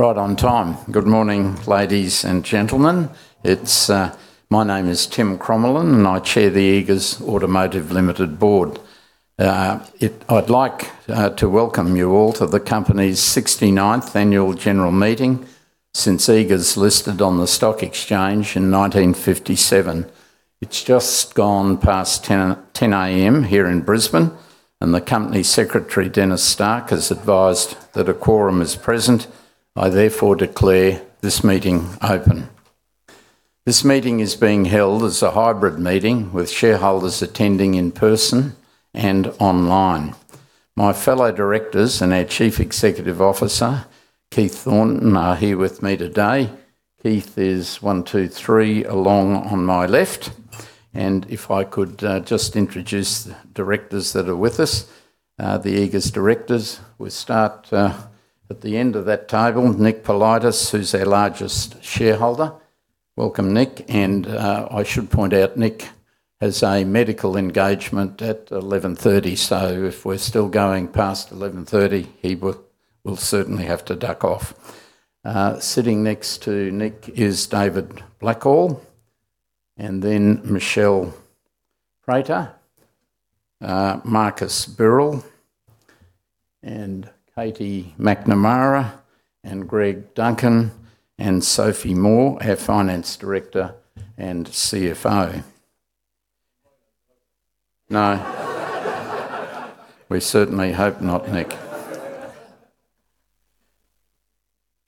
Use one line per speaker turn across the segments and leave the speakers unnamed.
Right on time. Good morning, ladies and gentlemen. My name is Tim Crommelin, and I chair the Eagers Automotive Limited Board. I'd like to welcome you all to the company's 69th Annual General Meeting since Eagers listed on the stock exchange in 1957. It's just gone past 10:00 A.M. here in Brisbane, and the Company Secretary, Denis Stark, has advised that a quorum is present. I therefore declare this meeting open. This meeting is being held as a hybrid meeting with shareholders attending in person and online. My fellow directors and our Chief Executive Officer, Keith Thornton, are here with me today. Keith is one, two, three along on my left. If I could just introduce the directors that are with us, the Eagers directors. We start at the end of that table, Nick Politis, who's our largest shareholder. Welcome, Nick. I should point out Nick has a medical engagement at 11:30 A.M., so if we're still going past 11:30 A.M., he will certainly have to duck off. Sitting next to Nick is David Blackhall, and then Michelle Prater, Marcus Birrell, and Katie McNamara, and Greg Duncan, and Sophie Moore, our Finance Director and CFO. No. We certainly hope not, Nick.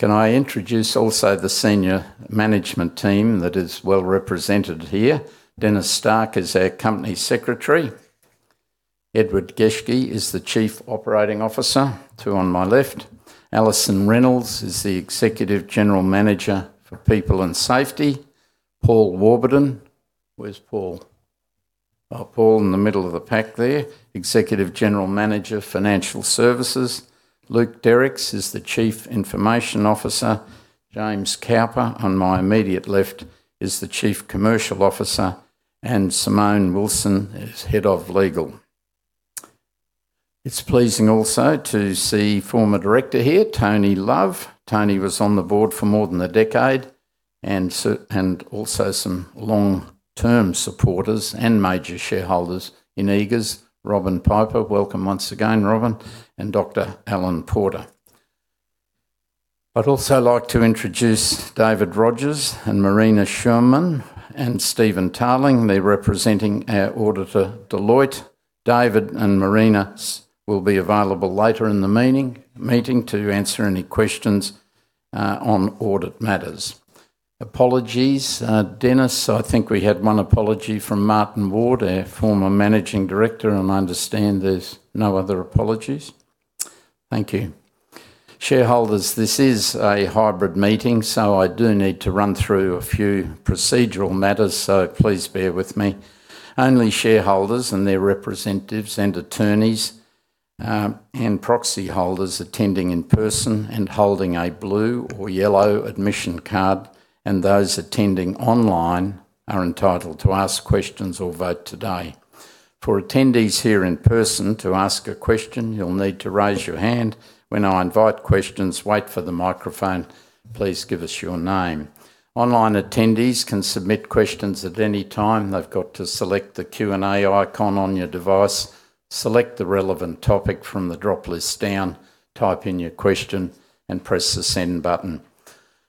Can I introduce also the senior management team that is well represented here? Denis Stark is our Company Secretary. Edward Geschke is the Chief Operating Officer, two on my left. Alison Reynolds is the Executive General Manager for People and Safety. Paul Warburton. Where's Paul? Oh, Paul in the middle of the pack there, Executive General Manager for Financial Services. Luc Derix is the Chief Information Officer. James Couper, on my immediate left, is the Chief Commercial Officer, and Simone Wilson is Head of Legal. It's pleasing also to see former director here, Tony Love. Tony was on the board for more than a decade. Also some long-term supporters and major shareholders in Eagers. Robyn Piper, welcome once again, Robyn, and Alan Piper. I'd also like to introduce David Rodgers and Marina Schurmann and Stephen Tarling. They're representing our auditor, Deloitte. David and Marina will be available later in the meeting to answer any questions on audit matters. Apologies, Denis. I think we had one apology from Martin Ward, our former managing director, and I understand there's no other apologies. Thank you. Shareholders, this is a hybrid meeting, so I do need to run through a few procedural matters, so please bear with me. Only shareholders and their representatives and attorneys, and proxyholders attending in person and holding a blue or yellow admission card, and those attending online are entitled to ask questions or vote today. For attendees here in person, to ask a question, you'll need to raise your hand. When I invite questions, wait for the microphone. Please give us your name. Online attendees can submit questions at any time. They've got to select the Q&A icon on your device, select the relevant topic from the drop list down, type in your question, and press the send button.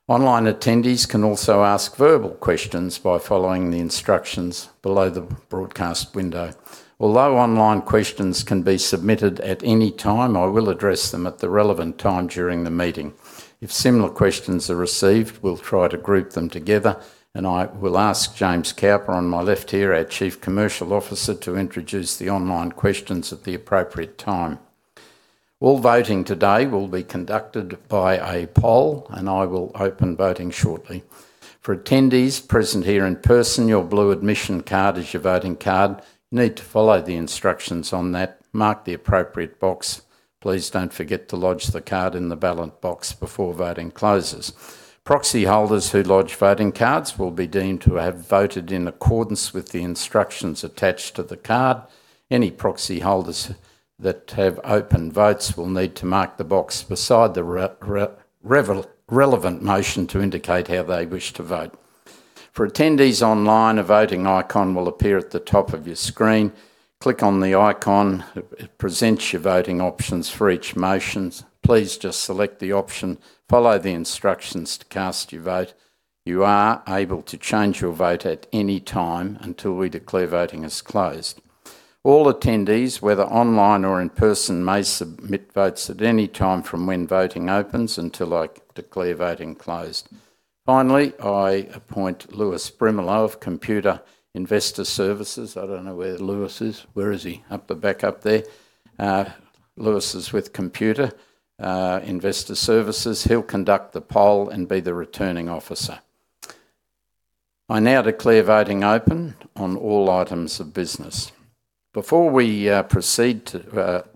Online attendees can also ask verbal questions by following the instructions below the broadcast window. Although online questions can be submitted at any time, I will address them at the relevant time during the meeting. If similar questions are received, we'll try to group them together, and I will ask James Couper on my left here, our Chief Commercial Officer, to introduce the online questions at the appropriate time. All voting today will be conducted by a poll, and I will open voting shortly. For attendees present here in person, your blue admission card is your voting card. You need to follow the instructions on that. Mark the appropriate box. Please don't forget to lodge the card in the ballot box before voting closes. Proxyholders who lodge voting cards will be deemed to have voted in accordance with the instructions attached to the card. Any proxyholders that have open votes will need to mark the box beside the relevant motion to indicate how they wish to vote. For attendees online, a voting icon will appear at the top of your screen. Click on the icon. It presents your voting options for each motion. Please just select the option. Follow the instructions to cast your vote. You are able to change your vote at any time until we declare voting is closed. All attendees, whether online or in person, may submit votes at any time from when voting opens until I declare voting closed. Finally, I appoint Lewis Brimelow of Computershare Investor Services. I don't know where Lewis is. Where is he? Up the back, up there. Lewis is with Computershare Investor Services. He'll conduct the poll and be the returning officer. I now declare voting open on all items of business. Before we proceed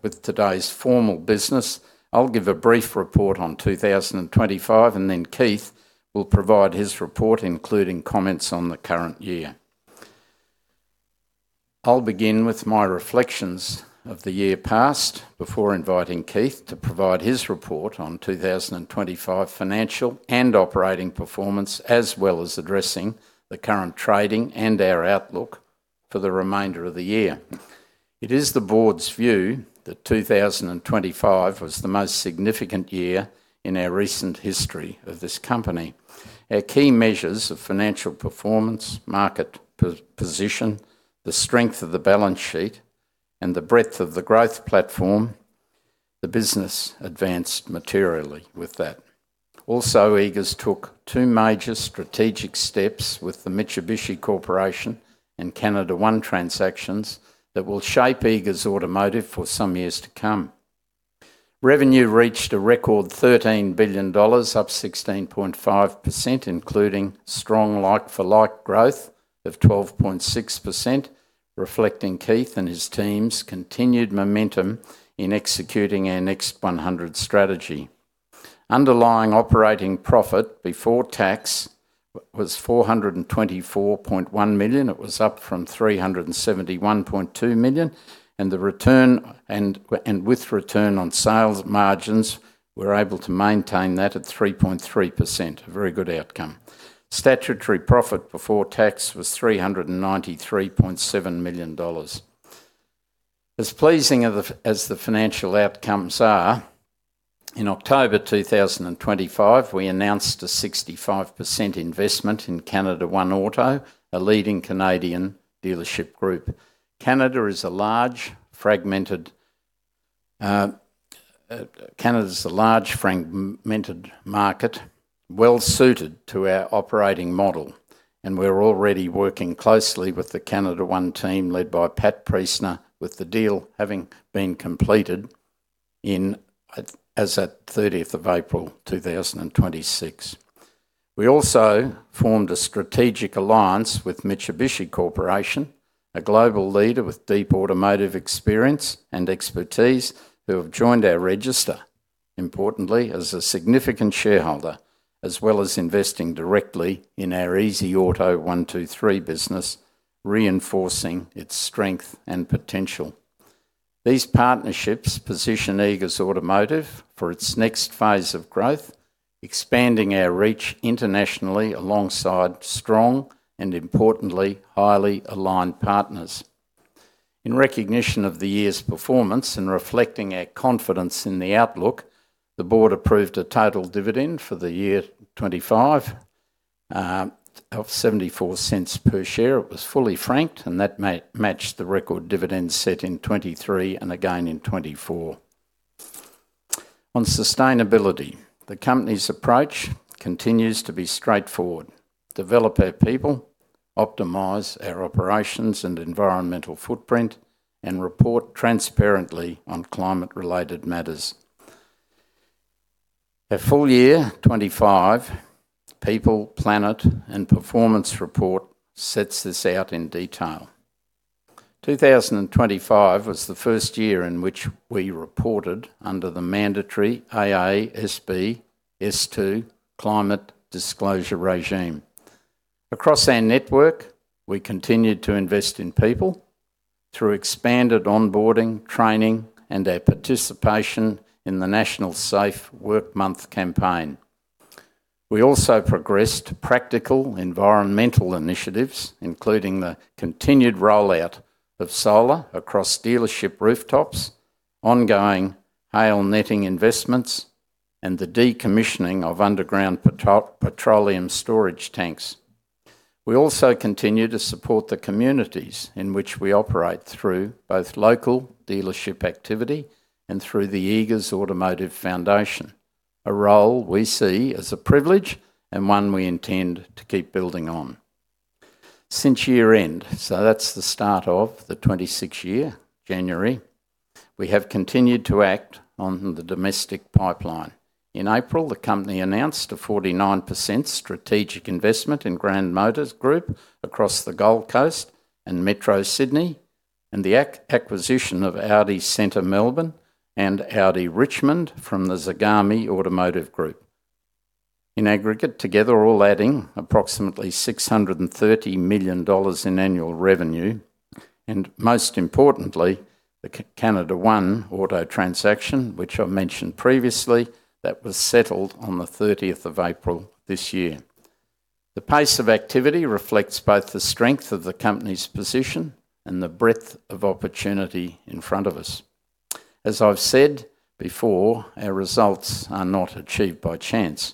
with today's formal business, I'll give a brief report on 2025, then Keith will provide his report, including comments on the current year. I'll begin with my reflections of the year past, before inviting Keith to provide his report on 2025 financial and operating performance, as well as addressing the current trading and our outlook for the remainder of the year. It is the board's view that 2025 was the most significant year in our recent history of this company. Our key measures of financial performance, market position, the strength of the balance sheet, and the breadth of the growth platform, the business advanced materially with that. Also, Eagers took two major strategic steps with the Mitsubishi Corporation and CanadaOne transactions that will shape Eagers Automotive for some years to come. Revenue reached a record 13 billion dollars, up 16.5%, including strong like-for-like growth of 12.6%, reflecting Keith and his team's continued momentum in executing our Next100 strategy. Underlying operating profit before tax was 424.1 million. It was up from 371.2 million. With return on sales margins, we're able to maintain that at 3.3%, a very good outcome. Statutory profit before tax was 393.7 million dollars. As pleasing as the financial outcomes are, in October 2025, we announced a 65% investment in CanadaOne Auto, a leading Canadian dealership group. Canada's a large, fragmented market, well-suited to our operating model. We're already working closely with the CanadaOne team, led by Pat Priestner, with the deal having been completed as at 30th of April 2026. We also formed a strategic alliance with Mitsubishi Corporation, a global leader with deep automotive experience and expertise who have joined our register, importantly, as a significant shareholder, as well as investing directly in our easyauto123 business, reinforcing its strength and potential. These partnerships position Eagers Automotive for its next phase of growth, expanding our reach internationally alongside strong and, importantly, highly aligned partners. In recognition of the year's performance and reflecting our confidence in the outlook, the board approved a total dividend for the year 2025 of 0.74 per share. It was fully franked. That matched the record dividend set in 2023 and again in 2024. On sustainability, the company's approach continues to be straightforward. Develop our people, optimize our operations and environmental footprint, and report transparently on climate-related matters. Our full year 2025 People, Planet, and Performance report sets this out in detail. 2025 was the first year in which we reported under the mandatory AASB S2 climate disclosure regime. Across our network, we continued to invest in people through expanded onboarding, training, and our participation in the National Safe Work Month campaign. We also progressed practical environmental initiatives, including the continued rollout of solar across dealership rooftops, ongoing hail netting investments, and the decommissioning of underground petroleum storage tanks. We also continue to support the communities in which we operate through both local dealership activity and through the Eagers Automotive Foundation, a role we see as a privilege and one we intend to keep building on. Since year-end, so that's the start of the 2026 year, January, we have continued to act on the domestic pipeline. In April, the company announced a 49% strategic investment in Grand Motors Group across the Gold Coast and Metro Sydney, and the acquisition of Audi Centre Melbourne and Audi Richmond from the Zagame Automotive Group. In aggregate, together all adding approximately 630 million dollars in annual revenue, and most importantly, the CanadaOne Auto transaction, which I mentioned previously, that was settled on the 30th of April this year. The pace of activity reflects both the strength of the company's position and the breadth of opportunity in front of us. As I've said before, our results are not achieved by chance.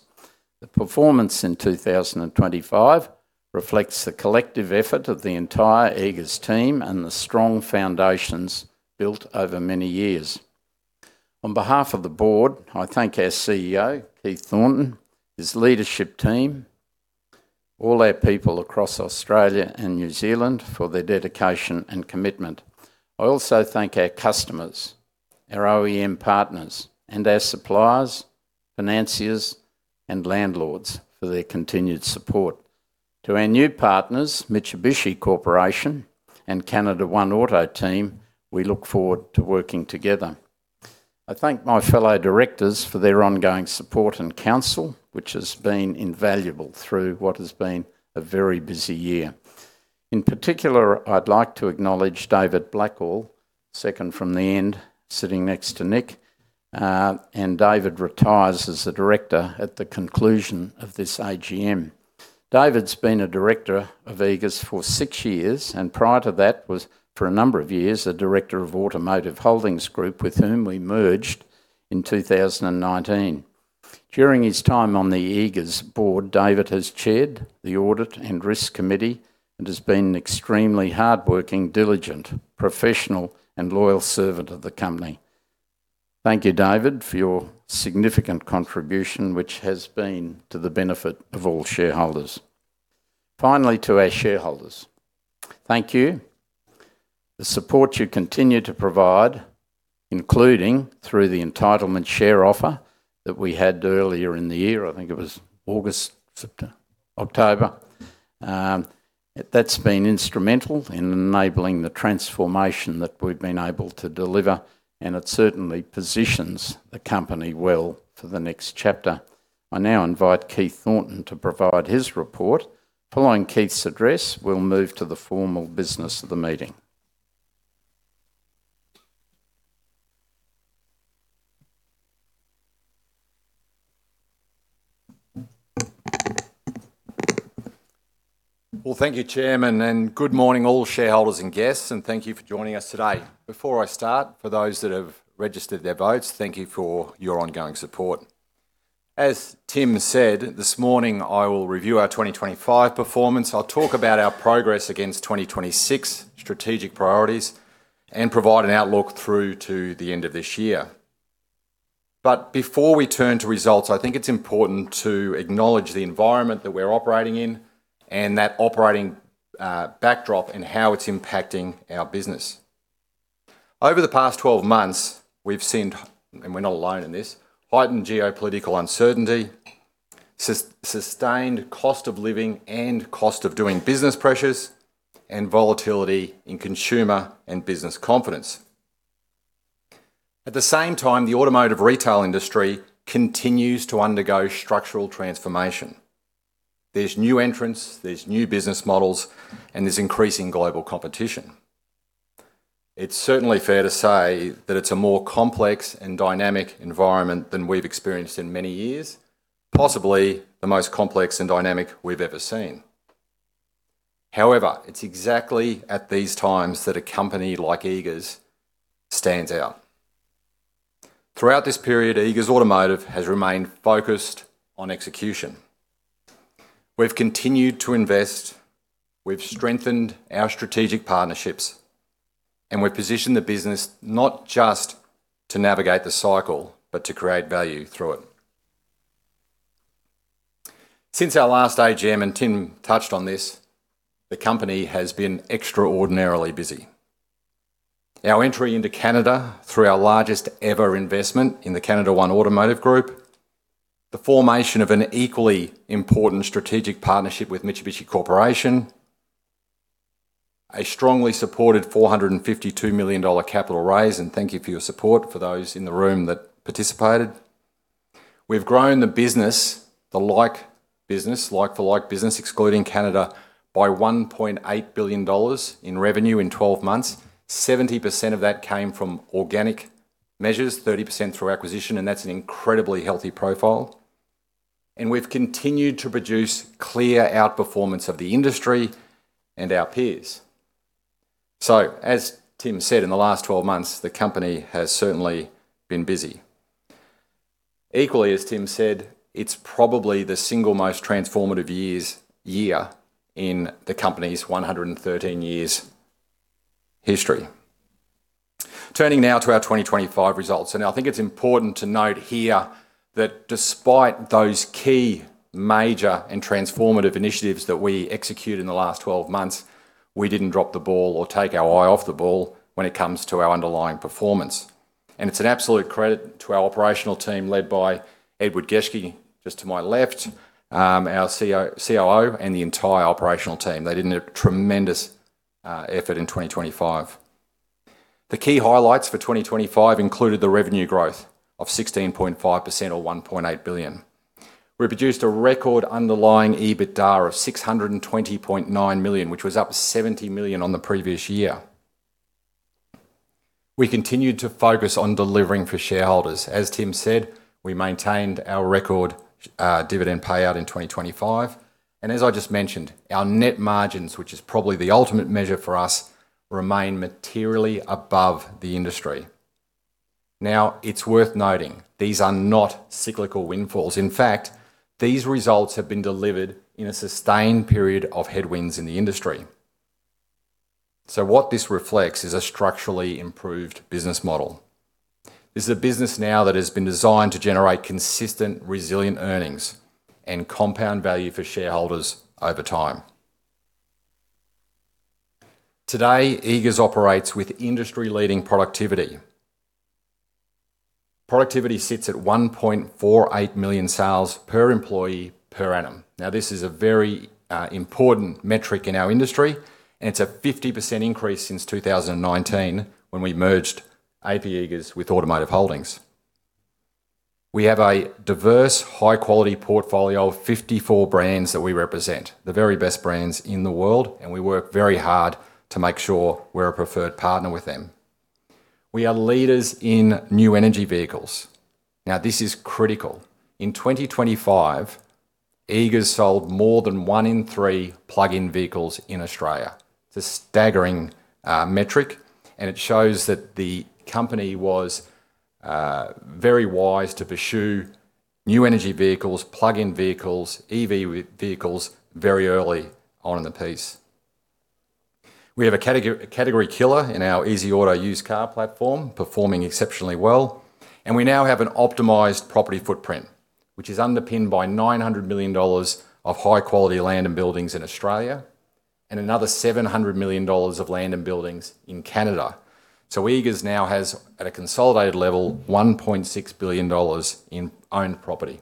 The performance in 2025 reflects the collective effort of the entire Eagers team and the strong foundations built over many years. On behalf of the board, I thank our CEO, Keith Thornton, his leadership team, all our people across Australia and New Zealand for their dedication and commitment. I also thank our customers, our OEM partners, and our suppliers, financiers, and landlords for their continued support. To our new partners, Mitsubishi Corporation and CanadaOne Auto team, we look forward to working together. I thank my fellow directors for their ongoing support and counsel, which has been invaluable through what has been a very busy year. In particular, I'd like to acknowledge David Blackhall, second from the end, sitting next to Nick. David retires as a director at the conclusion of this AGM. David's been a director of Eagers for six years, and prior to that was, for a number of years, a director of Automotive Holdings Group, with whom we merged in 2019. During his time on the Eagers board, David has chaired the Audit & Risk Committee and has been an extremely hardworking, diligent, professional, and loyal servant of the company. Thank you, David, for your significant contribution, which has been to the benefit of all shareholders. Finally, to our shareholders, thank you. The support you continue to provide, including through the entitlement share offer that we had earlier in the year, I think it was August, September, October. That's been instrumental in enabling the transformation that we've been able to deliver, and it certainly positions the company well for the next chapter. I now invite Keith Thornton to provide his report. Following Keith's address, we'll move to the formal business of the meeting.
Well, thank you, Chairman. Good morning all shareholders and guests, and thank you for joining us today. Before I start, for those that have registered their votes, thank you for your ongoing support. As Tim said, this morning, I will review our 2025 performance. I'll talk about our progress against 2026 strategic priorities and provide an outlook through to the end of this year. Before we turn to results, I think it's important to acknowledge the environment that we're operating in and that operating backdrop and how it's impacting our business. Over the past 12 months, we've seen, and we're not alone in this, heightened geopolitical uncertainty, sustained cost of living and cost of doing business pressures, and volatility in consumer and business confidence. At the same time, the automotive retail industry continues to undergo structural transformation. There's new entrants, there's new business models, and there's increasing global competition. It's certainly fair to say that it's a more complex and dynamic environment than we've experienced in many years, possibly the most complex and dynamic we've ever seen. It's exactly at these times that a company like Eagers stands out. Throughout this period, Eagers Automotive has remained focused on execution. We've continued to invest, we've strengthened our strategic partnerships, and we've positioned the business not just to navigate the cycle, but to create value through it. Since our last AGM, and Tim touched on this, the company has been extraordinarily busy. Our entry into Canada through our largest ever investment in the CanadaOne Automotive Group, the formation of an equally important strategic partnership with Mitsubishi Corporation, a strongly supported 452 million dollar capital raise, and thank you for your support for those in the room that participated. We've grown the business, the like business, like-for-like business, excluding Canada, by 1.8 billion dollars in revenue in 12 months. 70% of that came from organic measures, 30% through acquisition. That's an incredibly healthy profile. We've continued to produce clear outperformance of the industry and our peers. As Tim said, in the last 12 months, the company has certainly been busy. Equally, as Tim said, it's probably the single most transformative year in the company's 113 years history. Turning now to our 2025 results, I think it's important to note here that despite those key major and transformative initiatives that we executed in the last 12 months, we didn't drop the ball or take our eye off the ball when it comes to our underlying performance. It's an absolute credit to our operational team led by Edward Geschke, just to my left, our COO, and the entire operational team. They did a tremendous effort in 2025. The key highlights for 2025 included the revenue growth of 16.5% or 1.8 billion. We produced a record underlying EBITDA of 620.9 million, which was up 70 million on the previous year. We continued to focus on delivering for shareholders. As Tim said, we maintained our record dividend payout in 2025. As I just mentioned, our net margins, which is probably the ultimate measure for us, remain materially above the industry. It's worth noting, these are not cyclical windfalls. In fact, these results have been delivered in a sustained period of headwinds in the industry. What this reflects is a structurally improved business model. This is a business now that has been designed to generate consistent, resilient earnings and compound value for shareholders over time. Today, Eagers operates with industry-leading productivity. Productivity sits at 1.48 million sales per employee per annum. This is a very important metric in our industry, and it's a 50% increase since 2019 when we merged A.P. Eagers with Automotive Holdings Group. We have a diverse, high-quality portfolio of 54 brands that we represent, the very best brands in the world, and we work very hard to make sure we're a preferred partner with them. We are leaders in new energy vehicles. This is critical. In 2025, Eagers sold more than one in three plug-in vehicles in Australia. It's a staggering metric, and it shows that the company was very wise to pursue new energy vehicles, plug-in vehicles, EV vehicles very early on in the piece. We have a category killer in our easyauto used car platform performing exceptionally well. We now have an optimized property footprint, which is underpinned by 900 million dollars of high-quality land and buildings in Australia and another 700 million dollars of land and buildings in Canada. Eagers now has, at a consolidated level, 1.6 billion dollars in owned property.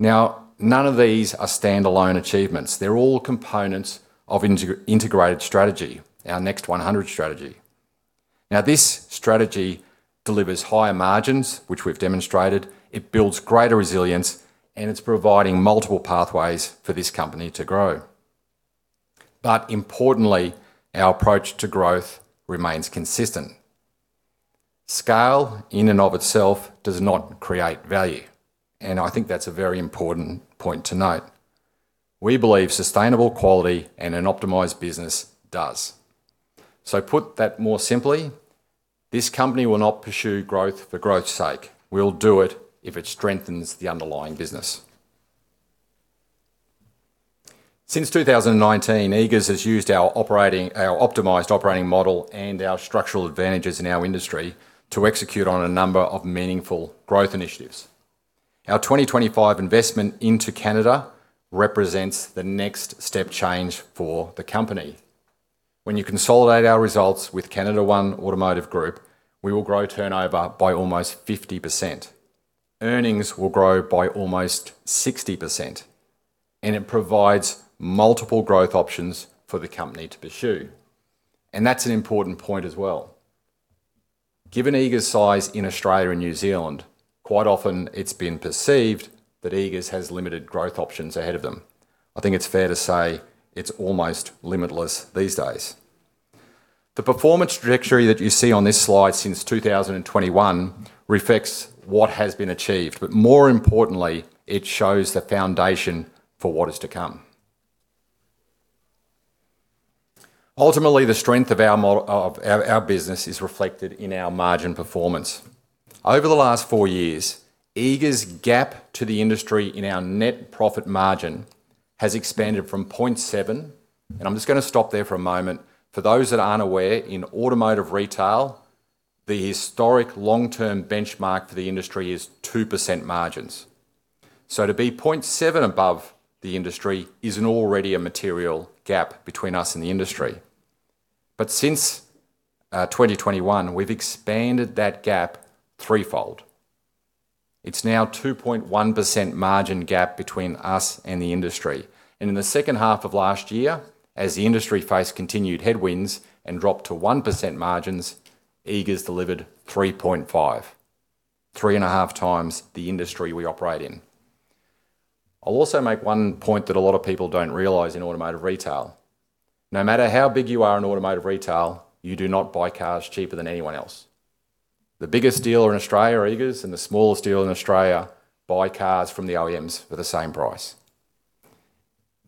None of these are standalone achievements. They're all components of integrated strategy, our Next100 strategy. This strategy delivers higher margins, which we've demonstrated, it builds greater resilience, and it's providing multiple pathways for this company to grow. Importantly, our approach to growth remains consistent. Scale, in and of itself, does not create value, and I think that's a very important point to note. We believe sustainable quality and an optimized business does. Put that more simply, this company will not pursue growth for growth's sake. We'll do it if it strengthens the underlying business. Since 2019, Eagers has used our optimized operating model and our structural advantages in our industry to execute on a number of meaningful growth initiatives. Our 2025 investment into Canada represents the next step change for the company. When you consolidate our results with CanadaOne Automotive Group, we will grow turnover by almost 50%. Earnings will grow by almost 60%, it provides multiple growth options for the company to pursue. That's an important point as well. Given Eagers' size in Australia and New Zealand, quite often it's been perceived that Eagers has limited growth options ahead of them. I think it's fair to say it's almost limitless these days. The performance trajectory that you see on this slide since 2021 reflects what has been achieved, more importantly, it shows the foundation for what is to come. Ultimately, the strength of our business is reflected in our margin performance. Over the last four years, Eagers' gap to the industry in our net profit margin has expanded from 0.7%. I'm just going to stop there for a moment. For those that aren't aware, in automotive retail, the historic long-term benchmark for the industry is 2% margins. To be 0.7% above the industry is already a material gap between us and the industry. Since 2021, we've expanded that gap threefold. It's now 2.1% margin gap between us and the industry. In the second half of last year, as the industry faced continued headwinds and dropped to 1% margins, Eagers delivered 3.5, three and a half times the industry we operate in. I'll also make one point that a lot of people don't realize in automotive retail. No matter how big you are in automotive retail, you do not buy cars cheaper than anyone else. The biggest dealer in Australia, Eagers, and the smallest dealer in Australia buy cars from the OEMs for the same price.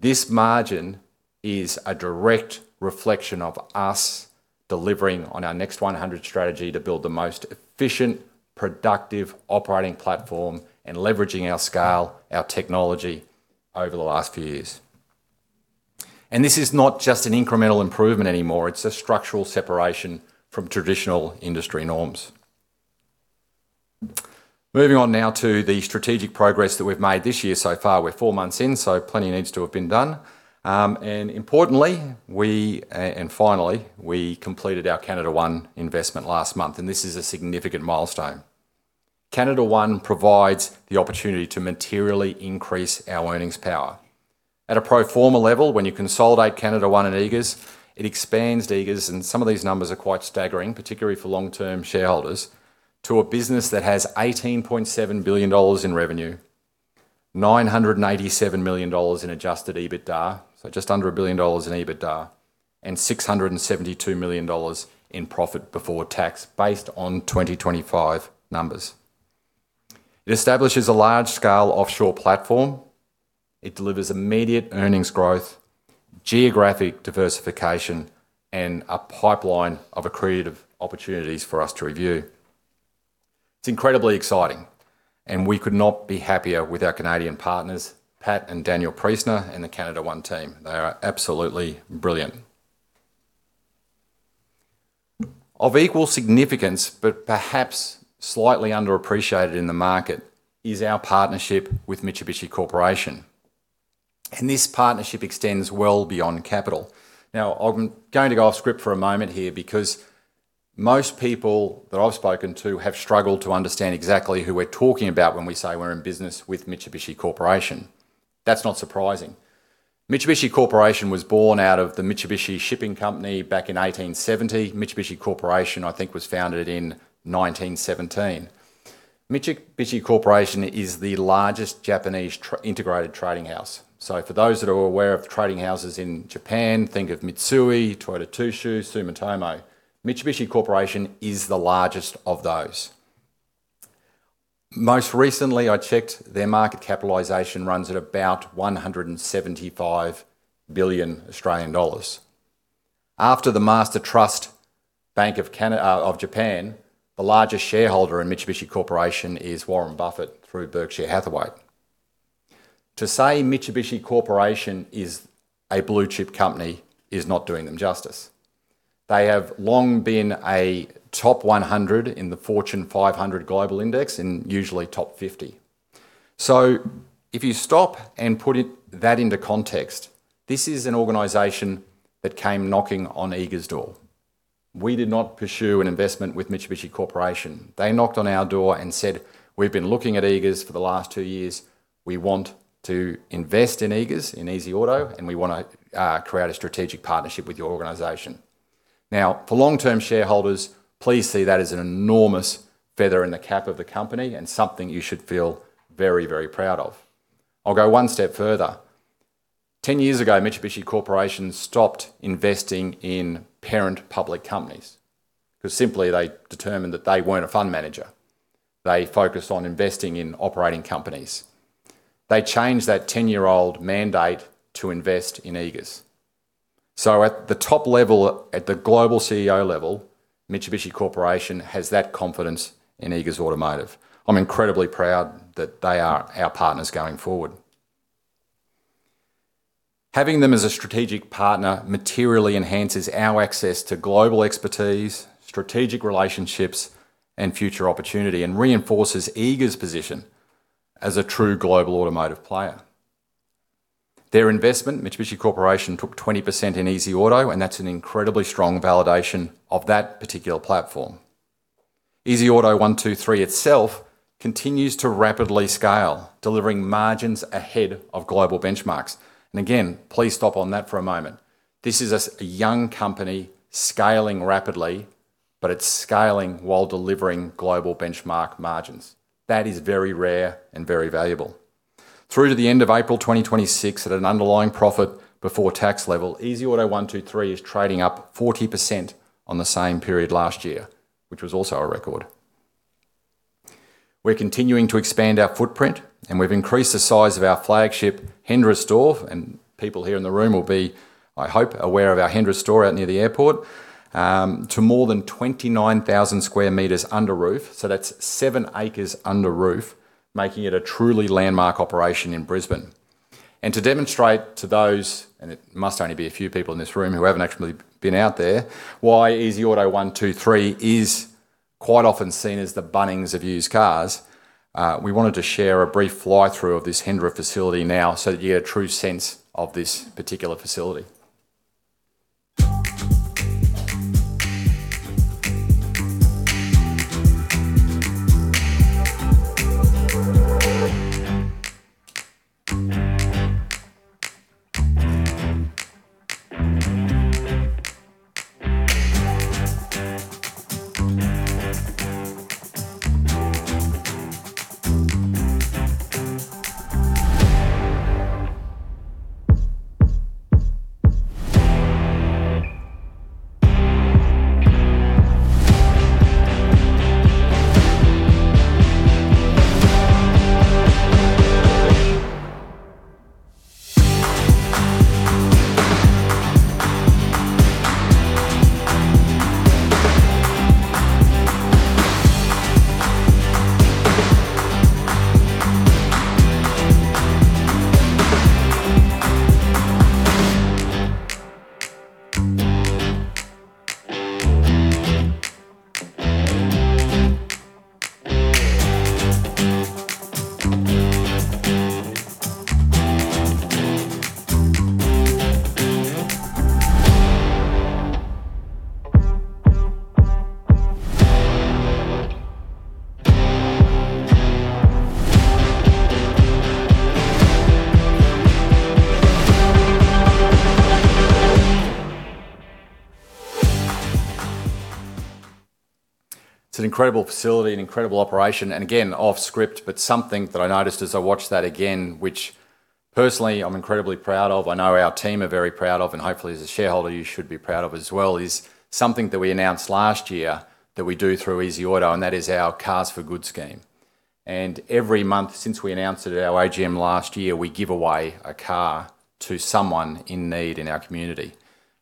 This margin is a direct reflection of us delivering on our Next100 strategy to build the most efficient, productive operating platform and leveraging our scale, our technology over the last few years. This is not just an incremental improvement anymore. It's a structural separation from traditional industry norms. Moving on now to the strategic progress that we've made this year so far. We're four months in, so plenty needs to have been done. Importantly, and finally, we completed our CanadaOne investment last month, and this is a significant milestone. CanadaOne provides the opportunity to materially increase our earnings power. At a pro forma level, when you consolidate CanadaOne and Eagers, it expands Eagers, some of these numbers are quite staggering, particularly for long-term shareholders, to a business that has 18.7 billion dollars in revenue, 987 million dollars in adjusted EBITDA, so just under 1 billion dollars in EBITDA, and 672 million dollars in profit before tax based on 2025 numbers. It establishes a large-scale offshore platform. It delivers immediate earnings growth, geographic diversification, and a pipeline of accretive opportunities for us to review. It's incredibly exciting, we could not be happier with our Canadian partners, Pat and Daniel Priestner and the CanadaOne team. They are absolutely brilliant. Of equal significance, perhaps slightly underappreciated in the market, is our partnership with Mitsubishi Corporation. This partnership extends well beyond capital. I'm going to go off script for a moment here because most people that I've spoken to have struggled to understand exactly who we're talking about when we say we're in business with Mitsubishi Corporation. That's not surprising. Mitsubishi Corporation was born out of the Mitsubishi Shipping Company back in 1870. Mitsubishi Corporation, I think, was founded in 1917. Mitsubishi Corporation is the largest Japanese integrated trading house. For those that are aware of trading houses in Japan, think of Mitsui, Toyota Tsusho, Sumitomo. Mitsubishi Corporation is the largest of those. Most recently, I checked, their market capitalization runs at about 175 billion Australian dollars. After The Master Trust Bank of Japan, the largest shareholder in Mitsubishi Corporation is Warren Buffett through Berkshire Hathaway. To say Mitsubishi Corporation is a blue-chip company is not doing them justice. They have long been a top 100 in the Fortune 500 Global index, and usually top 50. If you stop and put that into context, this is an organization that came knocking on Eagers' door. We did not pursue an investment with Mitsubishi Corporation. They knocked on our door and said, "We've been looking at Eagers for the last two years. We want to invest in Eagers, in easyauto, and we want to create a strategic partnership with your organization." Now, for long-term shareholders, please see that as an enormous feather in the cap of the company and something you should feel very proud of. I'll go one step further. 10 years ago, Mitsubishi Corporation stopped investing in parent public companies, because simply they determined that they weren't a fund manager. They focused on investing in operating companies. They changed that 10-year-old mandate to invest in Eagers. At the top level, at the global CEO level, Mitsubishi Corporation has that confidence in Eagers Automotive. I'm incredibly proud that they are our partners going forward. Having them as a strategic partner materially enhances our access to global expertise, strategic relationships, and future opportunity, and reinforces Eagers' position as a true global automotive player. Their investment, Mitsubishi Corporation took 20% in easyauto, and that's an incredibly strong validation of that particular platform. easyauto123 itself continues to rapidly scale, delivering margins ahead of global benchmarks. Again, please stop on that for a moment. This is a young company scaling rapidly, but it's scaling while delivering global benchmark margins. That is very rare and very valuable. Through to the end of April 2026, at an underlying profit before tax level, easyauto123 is trading up 40% on the same period last year, which was also a record. We're continuing to expand our footprint, and we've increased the size of our flagship Hendra store, and people here in the room will be, I hope, aware of our Hendra store out near the airport, to more than 29,000 sq m under roof. That's 7 acres under roof, making it a truly landmark operation in Brisbane. To demonstrate to those, and it must only be a few people in this room who haven't actually been out there, why easyauto123 is quite often seen as the Bunnings of used cars. We wanted to share a brief fly-through of this Hendra facility now so that you get a true sense of this particular facility. It's an incredible facility, an incredible operation. Again, off script, but something that I noticed as I watched that again, which personally I'm incredibly proud of, I know our team are very proud of, and hopefully as a shareholder, you should be proud of as well, is something that we announced last year that we do through easyauto, and that is our Cars for Good scheme. Every month since we announced it at our AGM last year, we give away a car to someone in need in our community.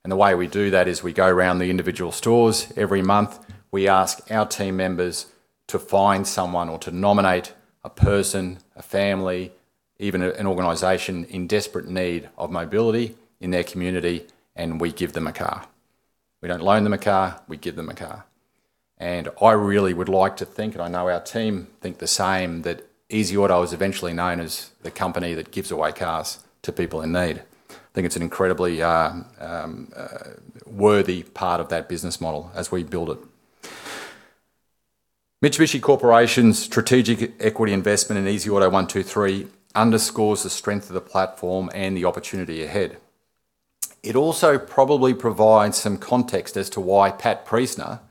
The way we do that is we go around the individual stores every month. We ask our team members to find someone or to nominate a person, a family, even an organization in desperate need of mobility in their community, and we give them a car. We don't loan them a car; we give them a car. I really would like to think, and I know our team think the same, that easyauto is eventually known as the company that gives away cars to people in need. I think it's an incredibly worthy part of that business model as we build it. Mitsubishi Corporation's strategic equity investment in easyauto123 underscores the strength of the platform and the opportunity ahead. It also probably provides some context as to why Pat Priestner,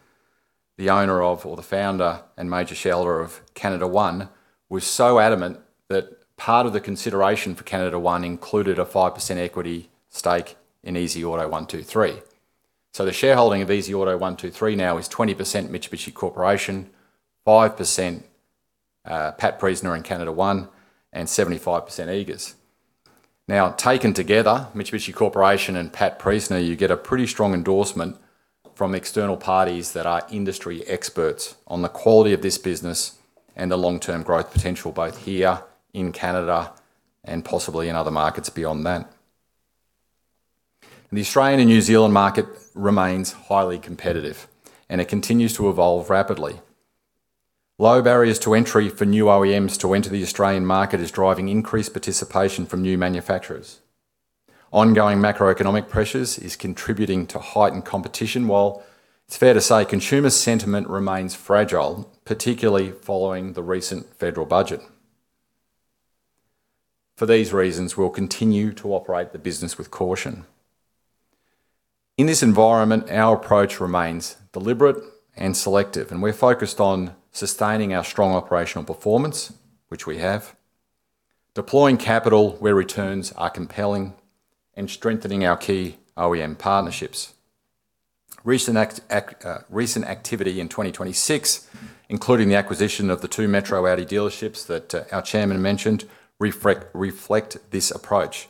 the owner of or the founder and major shareholder of CanadaOne, was so adamant that part of the consideration for CanadaOne included a 5% equity stake in easyauto123. The shareholding of easyauto123 now is 20% Mitsubishi Corporation, 5% Pat Priestner and CanadaOne, and 75% Eagers. Now, taken together, Mitsubishi Corporation and Pat Priestner, you get a pretty strong endorsement from external parties that are industry experts on the quality of this business and the long-term growth potential, both here in Canada and possibly in other markets beyond that. The Australian and New Zealand market remains highly competitive, and it continues to evolve rapidly. Low barriers to entry for new OEMs to enter the Australian market is driving increased participation from new manufacturers. Ongoing macroeconomic pressures is contributing to heightened competition, while it's fair to say consumer sentiment remains fragile, particularly following the recent federal budget. For these reasons, we'll continue to operate the business with caution. In this environment, our approach remains deliberate and selective, and we're focused on sustaining our strong operational performance, which we have, deploying capital where returns are compelling, and strengthening our key OEM partnerships. Recent activity in 2026, including the acquisition of the two metro Audi dealerships that our Chairman mentioned, reflect this approach.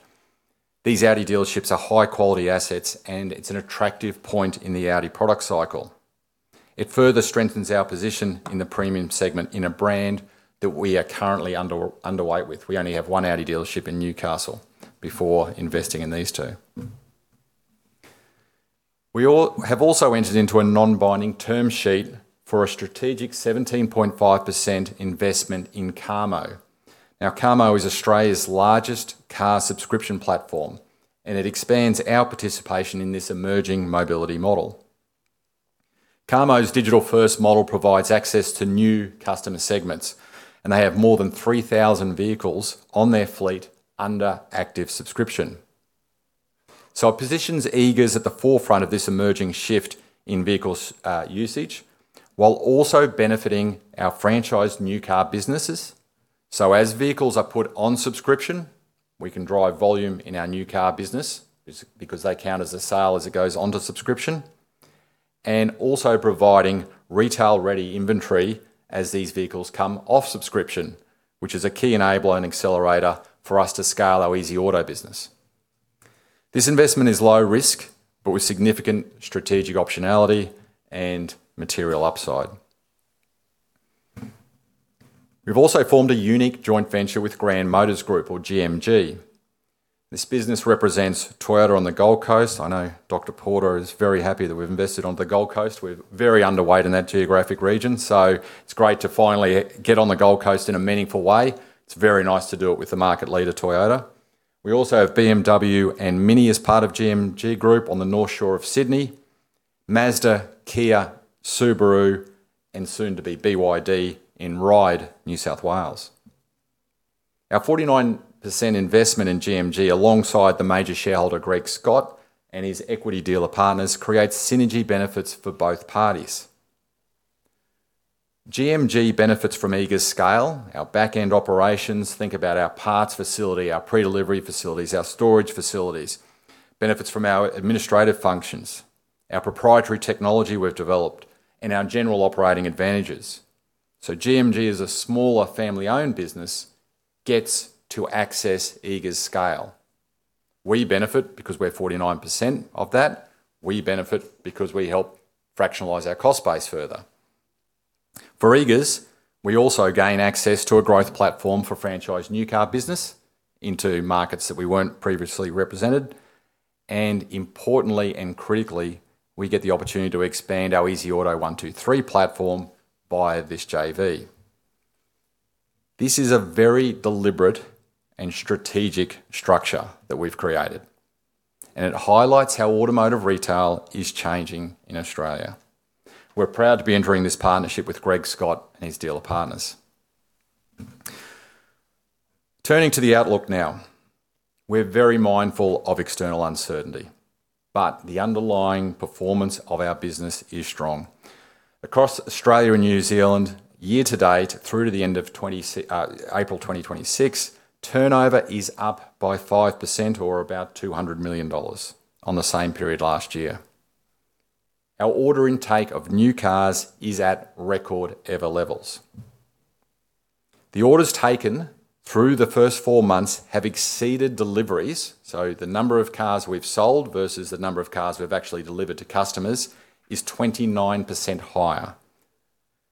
These Audi dealerships are high-quality assets, and it's an attractive point in the Audi product cycle. It further strengthens our position in the premium segment in a brand that we are currently underweight with. We only have one Audi dealership in Newcastle before investing in these two. We have also entered into a non-binding term sheet for a strategic 17.5% investment in Carma. Carma is Australia's largest car subscription platform, and it expands our participation in this emerging mobility model. Carma's digital-first model provides access to new customer segments, and they have more than 3,000 vehicles on their fleet under active subscription. It positions Eagers at the forefront of this emerging shift in vehicle usage, while also benefiting our franchised new car businesses. As vehicles are put on subscription, we can drive volume in our new car business because they count as a sale as it goes onto subscription, and also providing retail-ready inventory as these vehicles come off subscription, which is a key enabler and accelerator for us to scale our easyauto business. This investment is low risk, but with significant strategic optionality and material upside. We've also formed a unique joint venture with Grand Motors Group, or GMG. This business represents Toyota on the Gold Coast. I know Dr. Piper Is very happy that we've invested on the Gold Coast. We're very underweight in that geographic region, it's great to finally get on the Gold Coast in a meaningful way. It's very nice to do it with the market leader, Toyota. We also have BMW and Mini as part of Grand Motors Group on the North Shore of Sydney, Mazda, Kia, Subaru, and soon to be BYD in Ryde, New South Wales. Our 49% investment in GMG, alongside the major shareholder, Greg Scott, and his equity dealer partners, creates synergy benefits for both parties. GMG benefits from Eagers' scale, our back-end operations, think about our parts facility, our pre-delivery facilities, our storage facilities, benefits from our administrative functions, our proprietary technology we've developed, and our general operating advantages. GMG is a smaller family-owned business, gets to access Eagers' scale. We benefit because we're 49% of that. We benefit because we help fractionalize our cost base further. For Eagers, we also gain access to a growth platform for franchised new car business into markets that we weren't previously represented, and importantly and critically, we get the opportunity to expand our easyauto123 platform via this JV. This is a very deliberate and strategic structure that we've created, and it highlights how automotive retail is changing in Australia. We're proud to be entering this partnership with Greg Scott and his dealer partners. Turning to the outlook now. We're very mindful of external uncertainty, but the underlying performance of our business is strong. Across Australia and New Zealand, year to date, through to the end of April 2026, turnover is up by 5% or about 200 million dollars on the same period last year. Our order intake of new cars is at record ever levels. The orders taken through the first four months have exceeded deliveries. The number of cars we've sold versus the number of cars we've actually delivered to customers is 29% higher.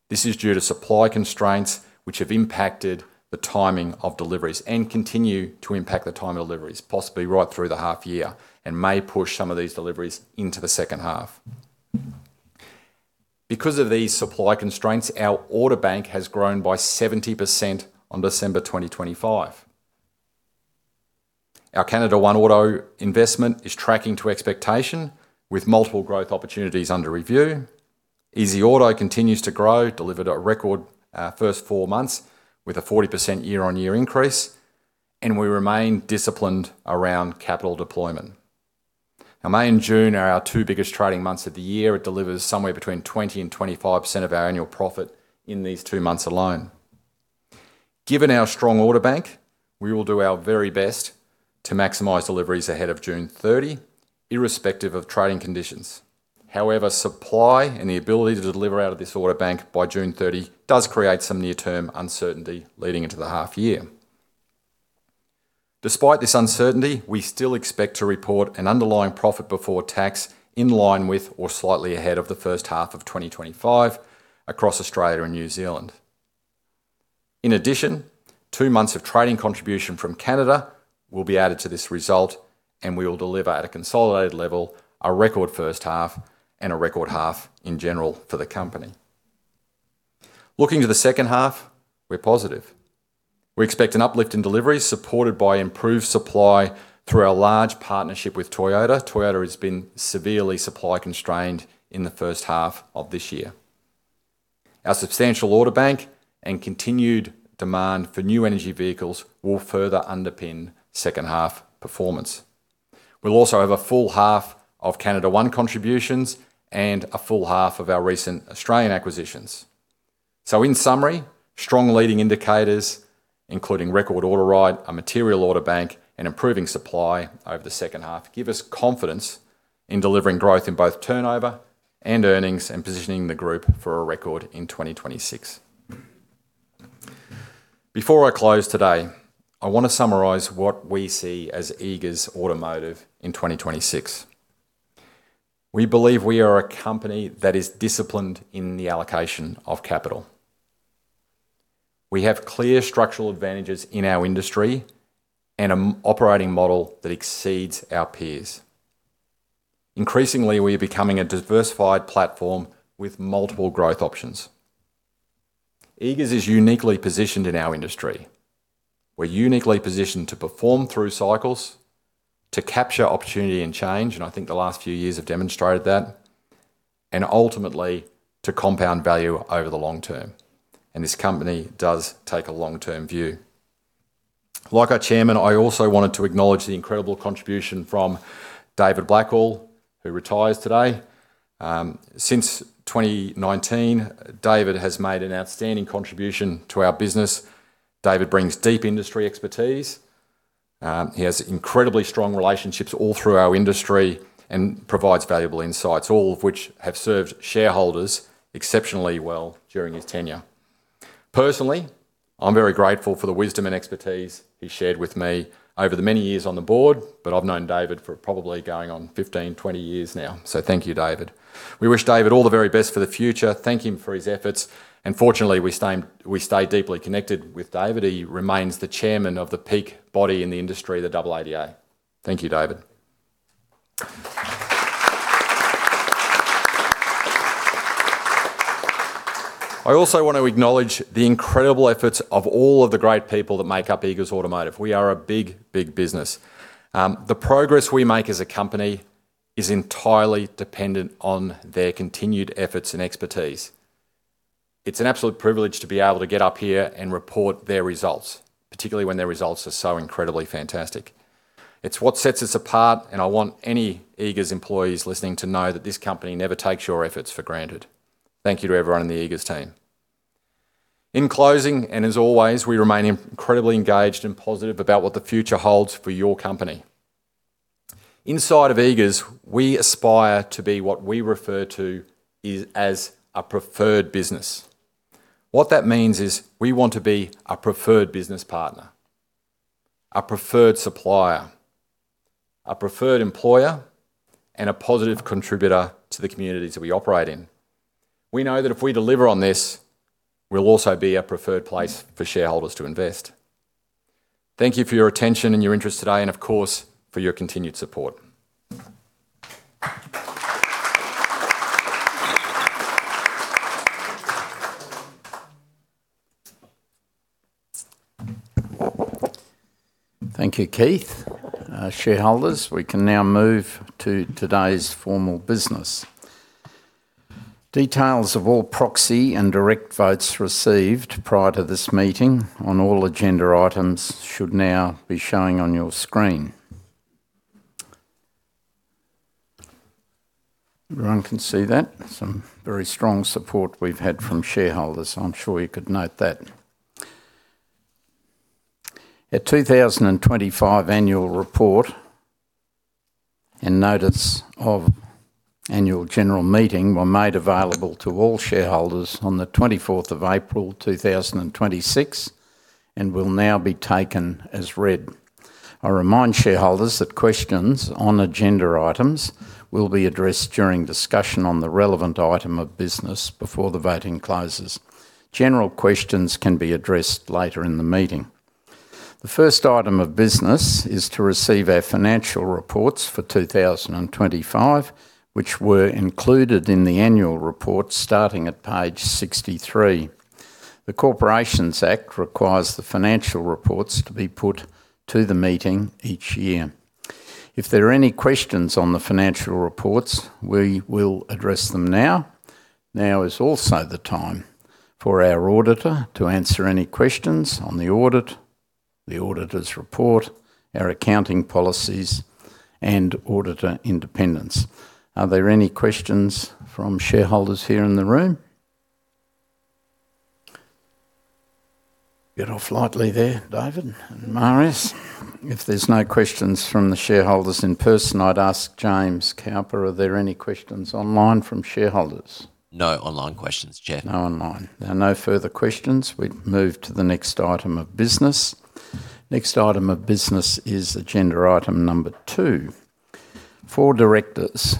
This is due to supply constraints, which have impacted the timing of deliveries and continue to impact the timing of deliveries, possibly right through the half year and may push some of these deliveries into the second half. Because of these supply constraints, our order bank has grown by 70% on December 2025. Our CanadaOne Auto investment is tracking to expectation with multiple growth opportunities under review. easyauto continues to grow, delivered a record first four months with a 40% year-on-year increase, and we remain disciplined around capital deployment. May and June are our two biggest trading months of the year. It delivers somewhere between 20% and 25% of our annual profit in these two months alone. Given our strong order bank, we will do our very best to maximize deliveries ahead of June 30, irrespective of trading conditions. Supply and the ability to deliver out of this order bank by June 30 does create some near-term uncertainty leading into the half year. Despite this uncertainty, we still expect to report an underlying profit before tax in line with or slightly ahead of the first half of 2025 across Australia and New Zealand. Two months of trading contribution from Canada will be added to this result, and we will deliver at a consolidated level a record first half and a record half in general for the company. Looking to the second half, we're positive. We expect an uplift in deliveries supported by improved supply through our large partnership with Toyota. Toyota has been severely supply constrained in the first half of this year. Our substantial order bank and continued demand for new energy vehicles will further underpin second half performance. We'll also have a full half of CanadaOne contributions and a full half of our recent Australian acquisitions. In summary, strong leading indicators, including record order rate, a material order bank, and improving supply over the second half, give us confidence in delivering growth in both turnover and earnings and positioning the group for a record in 2026. Before I close today, I want to summarize what we see as Eagers Automotive in 2026. We believe we are a company that is disciplined in the allocation of capital. We have clear structural advantages in our industry and an operating model that exceeds our peers. Increasingly, we are becoming a diversified platform with multiple growth options. Eagers is uniquely positioned in our industry. We're uniquely positioned to perform through cycles, to capture opportunity and change, and I think the last few years have demonstrated that, and ultimately, to compound value over the long term, and this company does take a long-term view. Like our chairman, I also wanted to acknowledge the incredible contribution from David Blackhall, who retires today. Since 2019, David has made an outstanding contribution to our business. David brings deep industry expertise. He has incredibly strong relationships all through our industry and provides valuable insights, all of which have served shareholders exceptionally well during his tenure. Personally, I'm very grateful for the wisdom and expertise he shared with me over the many years on the board, but I've known David for probably going on 15, 20 years now. Thank you, David. We wish David all the very best for the future, thank him for his efforts. Fortunately, we stay deeply connected with David. He remains the chairman of the peak body in the industry, the AADA. Thank you, David. I also want to acknowledge the incredible efforts of all of the great people that make up Eagers Automotive. We are a big business. The progress we make as a company is entirely dependent on their continued efforts and expertise. It's an absolute privilege to be able to get up here and report their results, particularly when their results are so incredibly fantastic. It's what sets us apart, and I want any Eagers employees listening to know that this company never takes your efforts for granted. Thank you to everyone in the Eagers team. In closing, and as always, we remain incredibly engaged and positive about what the future holds for your company. Inside of Eagers, we aspire to be what we refer to as a preferred business. What that means is we want to be a preferred business partner, a preferred supplier, a preferred employer, and a positive contributor to the communities that we operate in. We know that if we deliver on this, we'll also be a preferred place for shareholders to invest. Thank you for your attention and your interest today, and of course, for your continued support.
Thank you, Keith. Shareholders, we can now move to today's formal business. Details of all proxy and direct votes received prior to this meeting on all agenda items should now be showing on your screen. Everyone can see that? Some very strong support we've had from shareholders. I'm sure you could note that. Our 2025 annual report and notice of annual general meeting were made available to all shareholders on the 24th of April, 2026 and will now be taken as read. I remind shareholders that questions on agenda items will be addressed during discussion on the relevant item of business before the voting closes. General questions can be addressed later in the meeting. The first item of business is to receive our financial reports for 2025, which were included in the annual report starting at page 63. The Corporations Act requires the financial reports to be put to the meeting each year. If there are any questions on the financial reports, we will address them now. Now is also the time for our auditor to answer any questions on the audit, the auditor's report, our accounting policies, and auditor independence. Are there any questions from shareholders here in the room? Get off lightly there, David and Marina. If there's no questions from the shareholders in person, I'd ask James Couper, are there any questions online from shareholders?
No online questions, Chair.
No online. There are no further questions. We move to the next item of business. Next item of business is agenda item number two. Four directors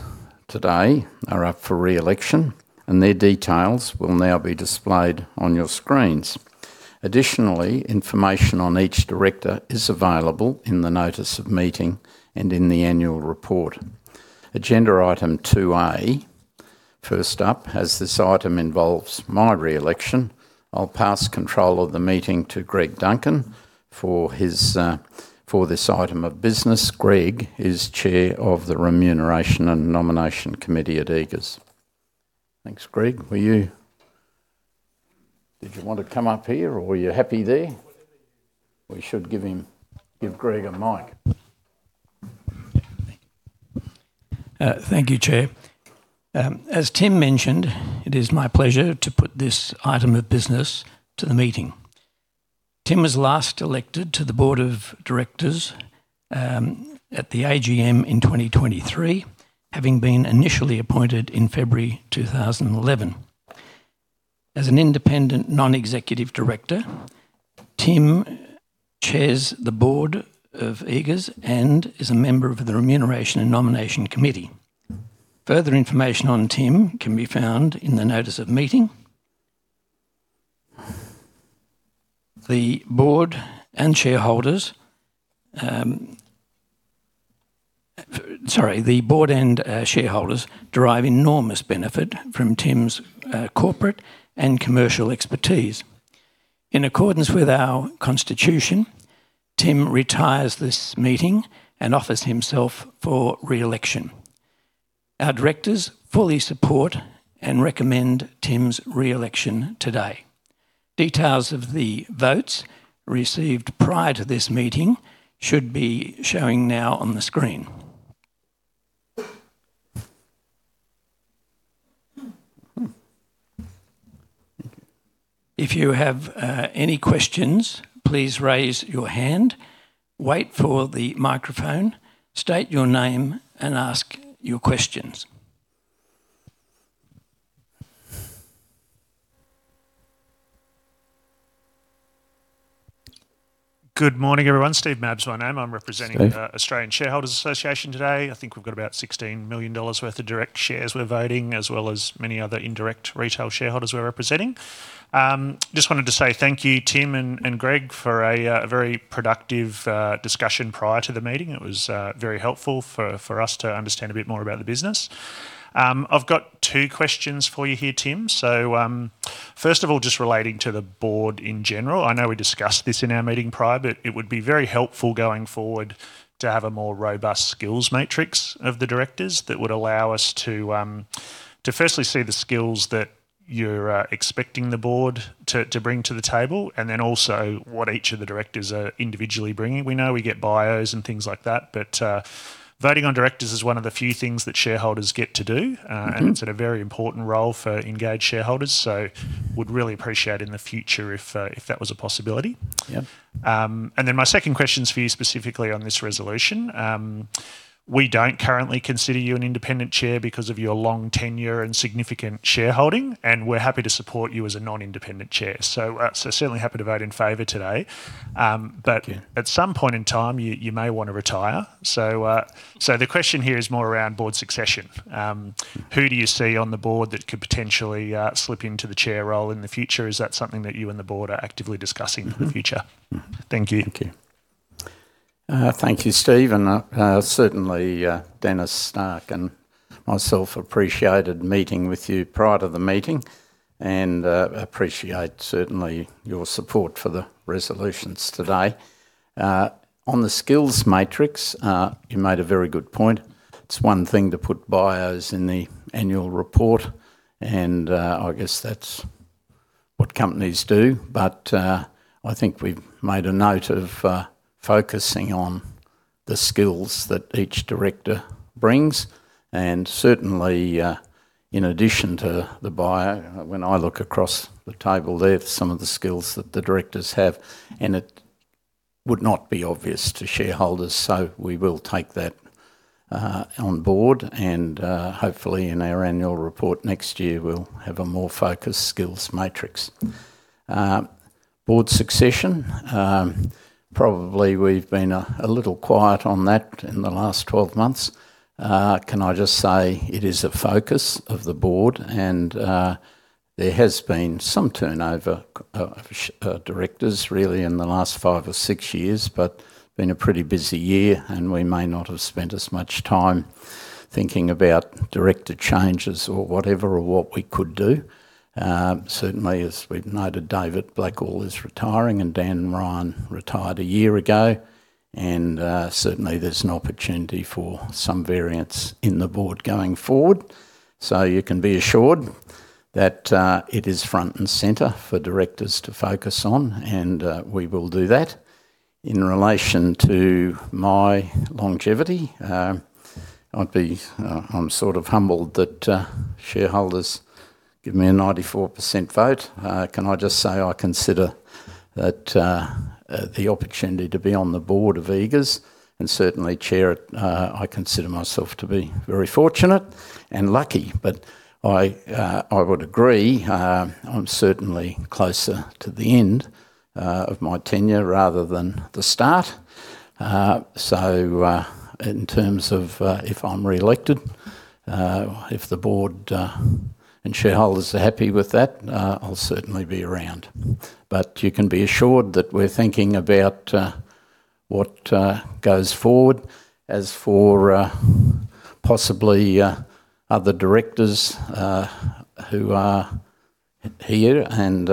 today are up for re-election, and their details will now be displayed on your screens. Additionally, information on each director is available in the notice of meeting and in the annual report. Agenda item 2A. First up, as this item involves my re-election, I'll pass control of the meeting to Greg Duncan for this item of business. Greg is chair of the Remuneration & Nomination Committee at Eagers. Thanks, Greg. Did you want to come up here or were you happy there? We should give Greg a mic.
Thank you. Thank you, Chair. As Tim mentioned, it is my pleasure to put this item of business to the meeting. Tim was last elected to the board of directors at the AGM in 2023, having been initially appointed in February 2011. As an independent non-executive director, Tim chairs the board of Eagers and is a member of the Remuneration & Nomination Committee. Further information on Tim can be found in the notice of meeting. The board and shareholders derive enormous benefit from Tim's corporate and commercial expertise. In accordance with our constitution, Tim retires this meeting and offers himself for re-election. Our directors fully support and recommend Tim's re-election today. Details of the votes received prior to this meeting should be showing now on the screen. If you have any questions, please raise your hand, wait for the microphone, state your name, and ask your questions.
Good morning, everyone. Steve Mabbs, my name.
Steve.
I'm representing Australian Shareholders' Association today. I think we've got about 16 million dollars worth of direct shares we're voting, as well as many other indirect retail shareholders we're representing. Just wanted to say thank you, Tim and Greg, for a very productive discussion prior to the meeting. It was very helpful for us to understand a bit more about the business. I've got two questions for you here, Tim. First of all, just relating to the board in general, I know we discussed this in our meeting prior, it would be very helpful going forward to have a more robust skills matrix of the directors that would allow us to firstly see the skills that you're expecting the board to bring to the table, and then also what each of the directors are individually bringing. We know we get bios and things like that, but voting on directors is one of the few things that shareholders get to do. It's a very important role for engaged shareholders. Would really appreciate in the future if that was a possibility.
Yep.
My second question's for you specifically on this resolution. We don't currently consider you an independent chair because of your long tenure and significant shareholding, and we're happy to support you as a non-independent chair. Certainly happy to vote in favor today.
Yeah.
At some point in time, you may want to retire. The question here is more around board succession. Who do you see on the board that could potentially slip into the chair role in the future? Is that something that you and the board are actively discussing for the future? Thank you.
Thank you. Thank you, Steve. Certainly Denis Stark and myself appreciated meeting with you prior to the meeting, and appreciate certainly your support for the resolutions today. On the skills matrix, you made a very good point. It's one thing to put bios in the annual report. I guess that's what companies do. I think we've made a note of focusing on the skills that each director brings. Certainly in addition to the bio, when I look across the table, there's some of the skills that the directors have. It would not be obvious to shareholders. We will take that on board. Hopefully in our annual report next year, we'll have a more focused skills matrix. Board succession. Probably we've been a little quiet on that in the last 12 months. Can I just say it is a focus of the board, and there has been some turnover directors really in the last five or six years, but been a pretty busy year, and we may not have spent as much time thinking about director changes or whatever, or what we could do. Certainly, as we've noted, David Blackhall is retiring, and Dan Ryan retired a year ago. Certainly there's an opportunity for some variance in the board going forward. You can be assured that it is front and center for directors to focus on, and we will do that. In relation to my longevity, I'm sort of humbled that shareholders give me a 94% vote. Can I just say I consider the opportunity to be on the board of Eagers, and certainly chair it, I consider myself to be very fortunate and lucky. I would agree, I'm certainly closer to the end of my tenure rather than the start. In terms of if I'm reelected, if the board and shareholders are happy with that, I'll certainly be around. You can be assured that we're thinking about what goes forward. As for possibly other directors who are here and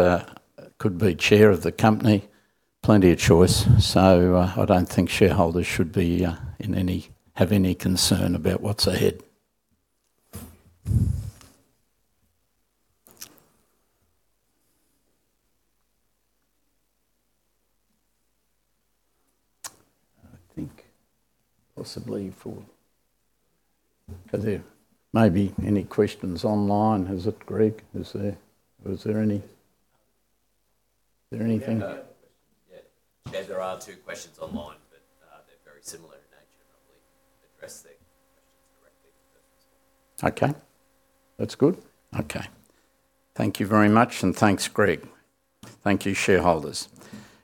could be chair of the company, plenty of choice. I don't think shareholders should have any concern about what's ahead. Are there maybe any questions online, is it Greg?
Yeah. There are two questions online, but they're very similar in nature and I believe address the questions directly.
Okay. That's good. Okay. Thank you very much, thanks Greg. Thank you, shareholders.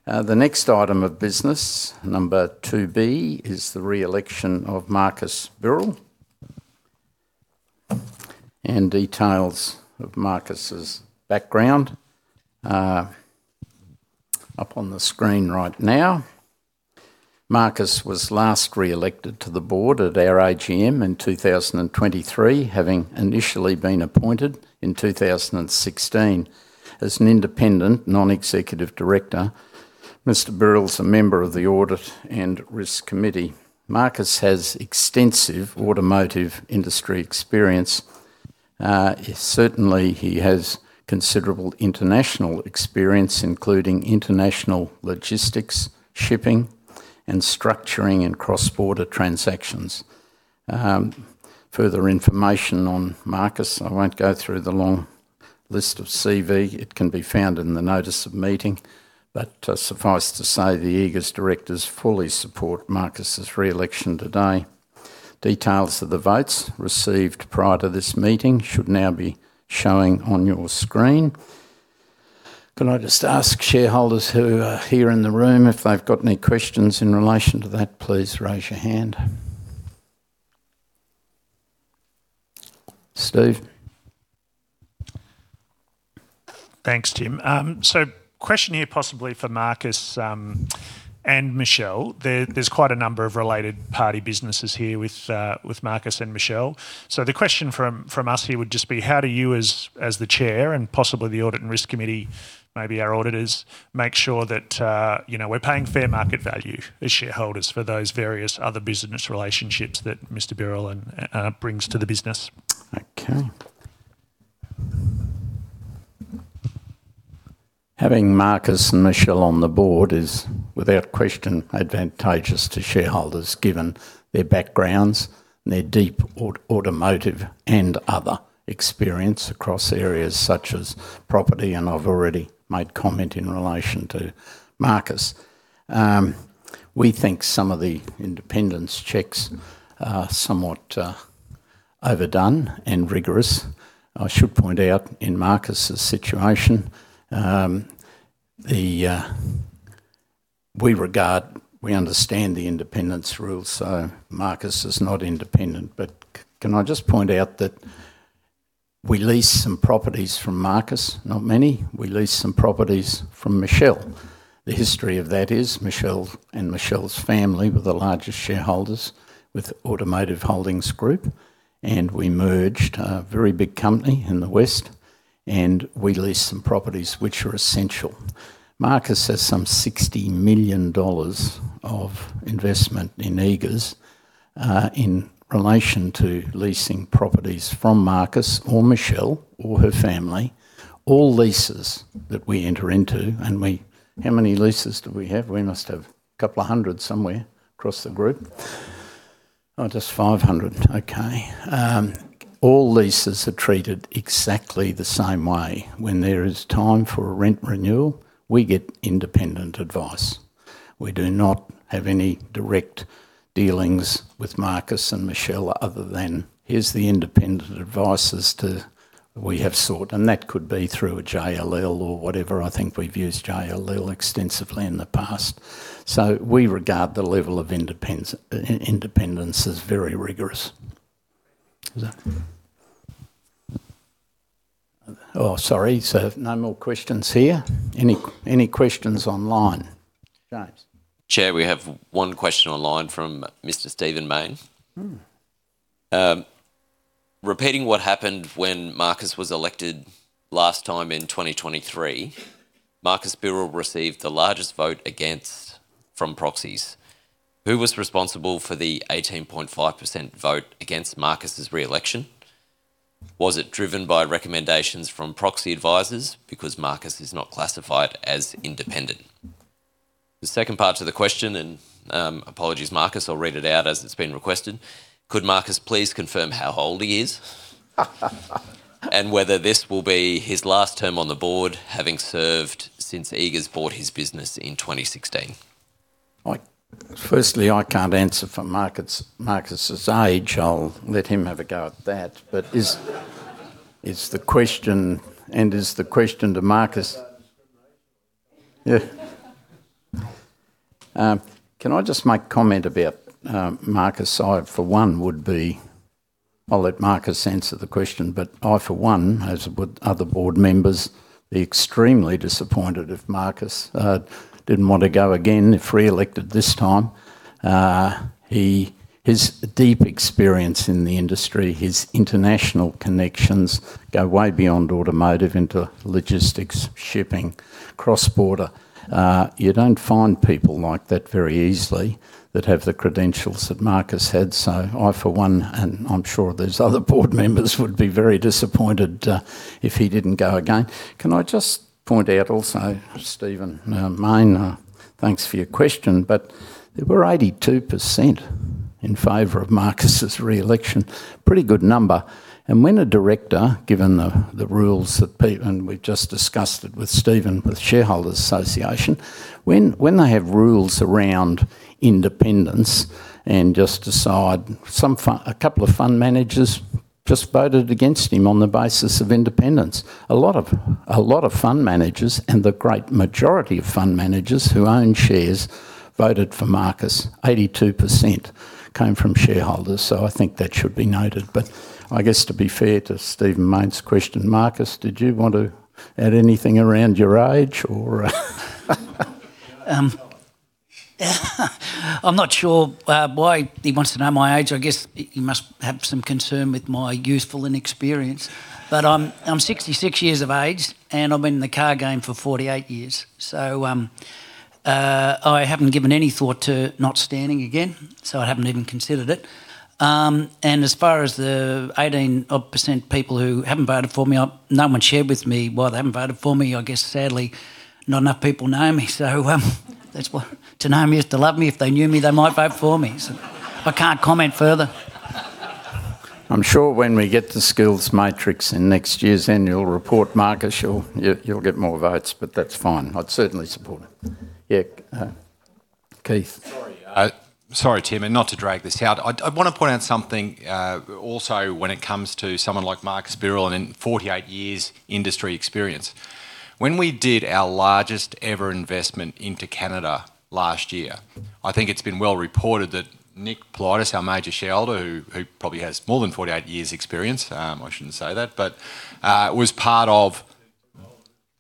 The next item of business, number 2B, is the reelection of Marcus Birrell. Details of Marcus' background are up on the screen right now. Marcus was last reelected to the board at our AGM in 2023, having initially been appointed in 2016 as an independent non-executive director. Mr. Birrell is a member of the Audit & Risk Committee. Marcus has extensive automotive industry experience. Certainly, he has considerable international experience, including international logistics, shipping, and structuring and cross-border transactions. Further information on Marcus, I won't go through the long list of CV. It can be found in the notice of meeting. Suffice to say, the Eagers directors fully support Marcus' reelection today. Details of the votes received prior to this meeting should now be showing on your screen. Can I just ask shareholders who are here in the room if they've got any questions in relation to that, please raise your hand. Steve?
Thanks, Tim. Question here possibly for Marcus and Michelle. There's quite a number of related party businesses here with Marcus and Michelle. The question from us here would just be, how do you as the chair, and possibly the Audit & Risk Committee, maybe our auditors, make sure that we're paying fair market value as shareholders for those various other business relationships that Mr. Birrell brings to the business?
Having Marcus and Michelle on the board is without question advantageous to shareholders given their backgrounds and their deep automotive and other experience across areas such as property, and I've already made comment in relation to Marcus. We think some of the independence checks are somewhat overdone and rigorous. I should point out, in Marcus' situation, we understand the independence rules so Marcus is not independent. Can I just point out that we lease some properties from Marcus, not many. We lease some properties from Michelle. The history of that is Michelle and Michelle's family were the largest shareholders with Automotive Holdings Group, and we merged. A very big company in the West. We lease some properties which are essential. Marcus has some 60 million dollars of investment in Eagers. In relation to leasing properties from Marcus or Michelle or her family, all leases that we enter into, and how many leases do we have? We must have couple of hundred somewhere across the group. Oh, just 500. Okay. All leases are treated exactly the same way. When there is time for a rent renewal, we get independent advice. We do not have any direct dealings with Marcus and Michelle other than, "Here's the independent advice as to we have sought." That could be through a JLL or whatever. I think we've used JLL extensively in the past. We regard the level of independence as very rigorous. Oh, sorry. No more questions here. Any questions online? James.
Chair, we have one question online from Mr. Stephen Mayne. Repeating what happened when Marcus was elected last time in 2023, Marcus Birrell received the largest vote against from proxies. Who was responsible for the 18.5% vote against Marcus's re-election? Was it driven by recommendations from proxy advisors because Marcus is not classified as independent? The second part to the question and, apologies, Marcus, I'll read it out as it's been requested. "Could Marcus please confirm how old he is? Whether this will be his last term on the board, having served since Eagers bought his business in 2016."
I can't answer for Marcus's age. I'll let him have a go at that. Is the question, is the question to Marcus. Yeah. Can I just make a comment about Marcus? I'll let Marcus answer the question. I, for one, as with other board members, be extremely disappointed if Marcus didn't want to go again if re-elected this time. His deep experience in the industry, his international connections go way beyond automotive into logistics, shipping, cross-border. You don't find people like that very easily that have the credentials that Marcus has. I, for one, and I'm sure these other board members would be very disappointed if he didn't go again. Can I just point out also, Stephen Mayne, thanks for your question, there were 82% in favor of Marcus's re-election. Pretty good number. When a director, given the rules that Pete and we've just discussed it with Steve, with Australian Shareholders' Association, when they have rules around independence and just decide, a couple of fund managers just voted against him on the basis of independence. A lot of fund managers and the great majority of fund managers who own shares voted for Marcus. 82% came from shareholders, so I think that should be noted. I guess to be fair to Stephen Mayne's question, Marcus, did you want to add anything around your age or?
I'm not sure why he wants to know my age. I guess he must have some concern with my youthful inexperience. I'm 66 years of age, and I've been in the car game for 48 years. I haven't given any thought to not standing again, so I haven't even considered it. As far as the 18% odd people who haven't voted for me, no one shared with me why they haven't voted for me. I guess, sadly, not enough people know me. To know me is to love me. If they knew me, they might vote for me. I can't comment further.
I'm sure when we get the skills matrix in next year's annual report, Marcus, you'll get more votes, but that's fine. I'd certainly support it. Yeah. Keith.
Sorry, Tim. Not to drag this out. I want to point out something also when it comes to someone like Marcus Birrell and in 48 years industry experience. When we did our largest ever investment into Canada last year, I think it's been well reported that Nick Politis, our major shareholder, who probably has more than 48 years experience, I shouldn't say that, but was part of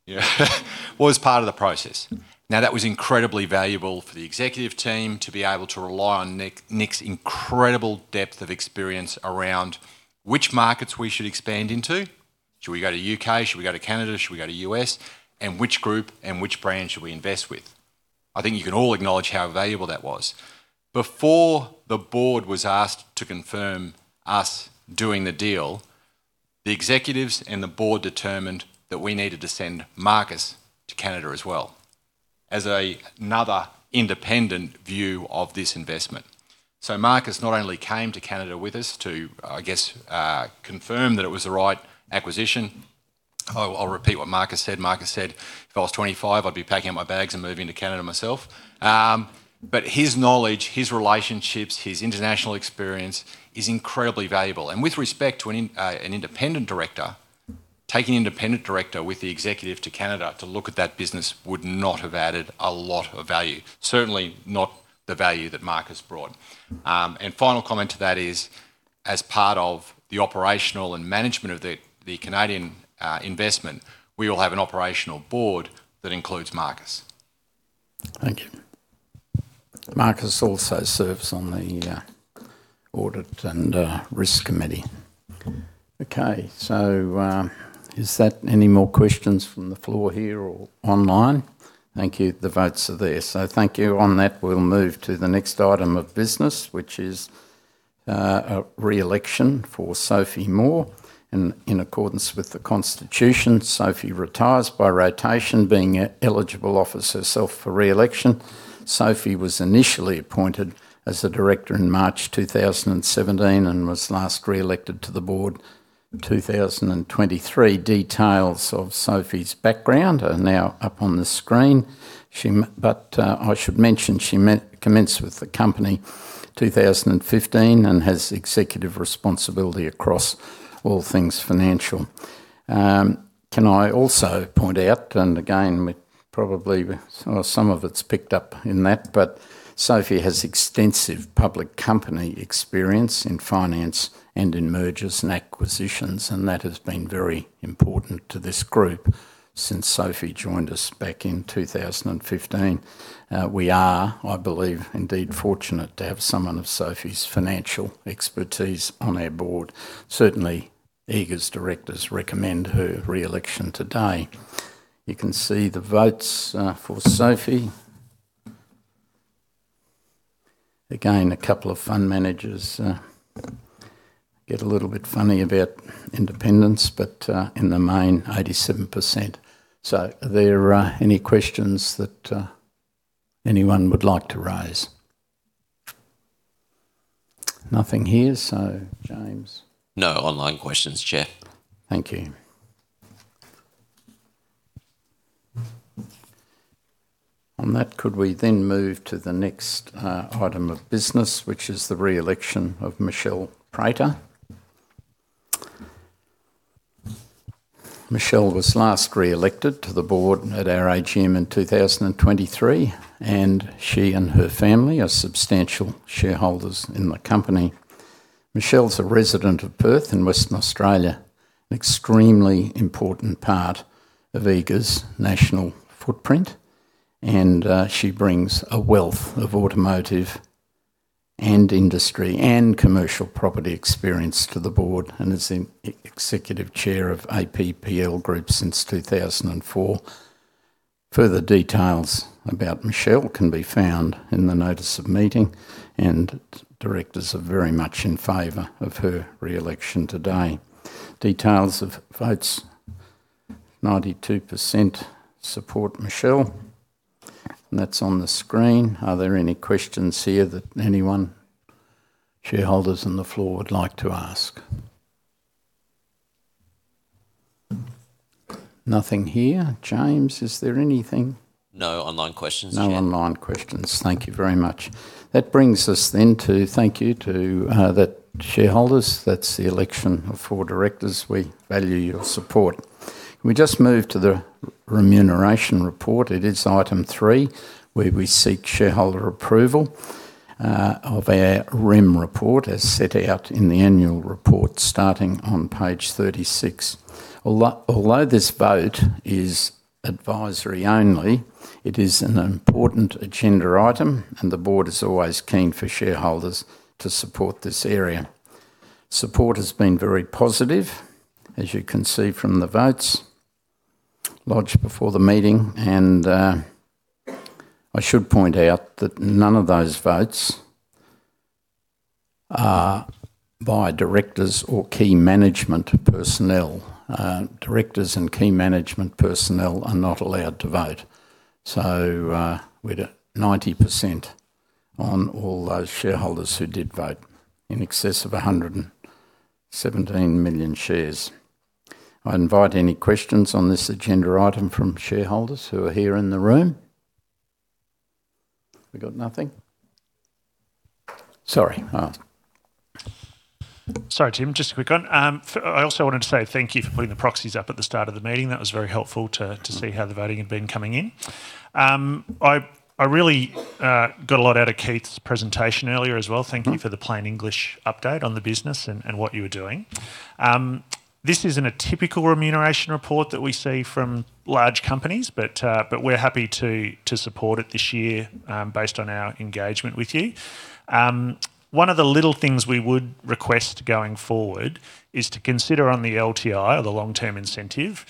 the process. That was incredibly valuable for the executive team to be able to rely on Nick's incredible depth of experience around which markets we should expand into. Should we go to U.K.? Should we go to Canada? Should we go to U.S.? Which group and which brand should we invest with? I think you can all acknowledge how valuable that was. Before the board was asked to confirm us doing the deal, the executives and the board determined that we needed to send Marcus to Canada as well as another independent view of this investment. Marcus not only came to Canada with us to, I guess, confirm that it was the right acquisition. I will repeat what Marcus said. Marcus said, "If I was 25, I'd be packing up my bags and moving to Canada myself." His knowledge, his relationships, his international experience is incredibly valuable. With respect to an independent director, taking an independent director with the executive to Canada to look at that business would not have added a lot of value. Certainly not the value that Marcus brought. Final comment to that is, as part of the operational and management of the Canadian investment, we will have an operational board that includes Marcus.
Thank you. Marcus also serves on the Audit & Risk Committee. Okay. Any more questions from the floor here or online? Thank you. The votes are there. Thank you. On that, we'll move to the next item of business, which is re-election for Sophie Moore. In accordance with the constitution, Sophie retires by rotation, being an eligible officer herself for re-election. Sophie was initially appointed as a director in March 2017 and was last re-elected to the board in 2023. Details of Sophie's background are now up on the screen. I should mention, she commenced with the company in 2015 and has executive responsibility across all things financial. Can I also point out, and again, probably some of it's picked up in that, but Sophie has extensive public company experience in finance and in mergers and acquisitions, and that has been very important to this group since Sophie joined us back in 2015. We are, I believe, indeed fortunate to have someone of Sophie's financial expertise on our board. Certainly, Eagers directors recommend her re-election today. You can see the votes for Sophie. Again, a couple of fund managers get a little bit funny about independence, but in the main, 87%. Are there any questions that anyone would like to raise? Nothing here. James?
No online questions, Chair.
Thank you. On that, could we move to the next item of business, which is the re-election of Michelle Prater. Michelle was last re-elected to the board at our AGM in 2023. She and her family are substantial shareholders in the company. Michelle is a resident of Perth in Western Australia, an extremely important part of Eagers' national footprint. She brings a wealth of automotive and industry and commercial property experience to the board, and has been executive chair of A.P. Group Limited since 2004. Further details about Michelle can be found in the notice of meeting. Directors are very much in favor of her re-election today. Details of votes, 92% support Michelle. That's on the screen. Are there any questions here that anyone, shareholders on the floor would like to ask? Nothing here. James, is there anything?
No online questions, Chair.
No online questions. Thank you very much. That brings us then to thank you to the shareholders. That's the election of four directors. We value your support. Can we just move to the remuneration report? It is item three, where we seek shareholder approval of our REM report as set out in the annual report, starting on page 36. Although this vote is advisory only, it is an important agenda item, and the board is always keen for shareholders to support this area. Support has been very positive, as you can see from the votes lodged before the meeting. I should point out that none of those votes are by directors or key management personnel. Directors and key management personnel are not allowed to vote. We're at 90% on all those shareholders who did vote, in excess of 117 million shares. I invite any questions on this agenda item from shareholders who are here in the room. We got nothing. Sorry, Mabbs.
Sorry, Tim. Just a quick one. I also wanted to say thank you for putting the proxies up at the start of the meeting. That was very helpful to see how the voting had been coming in. I really got a lot out of Keith's presentation earlier as well. Thank you for the plain English update on the business and what you were doing. This isn't a typical remuneration report that we see from large companies, but we're happy to support it this year based on our engagement with you. One of the little things we would request going forward is to consider on the LTI, or the long-term incentive,